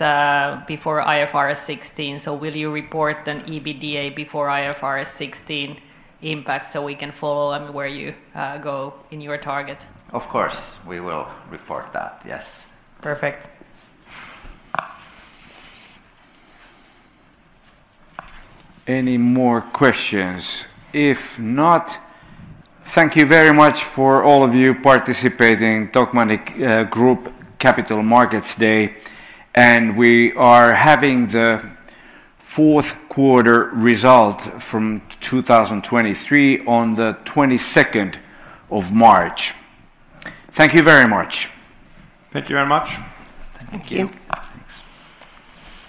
before IFRS 16. So will you report an EBITDA before IFRS 16 impact so we can follow where you go in your target? Of course. We will report that. Yes. Perfect. Any more questions? If not, thank you very much for all of you participating in Tokmanni Group Capital Markets Day. We are having the fourth quarter result from 2023 on the 22nd of March. Thank you very much. Thank you very much. Thank you. Thanks.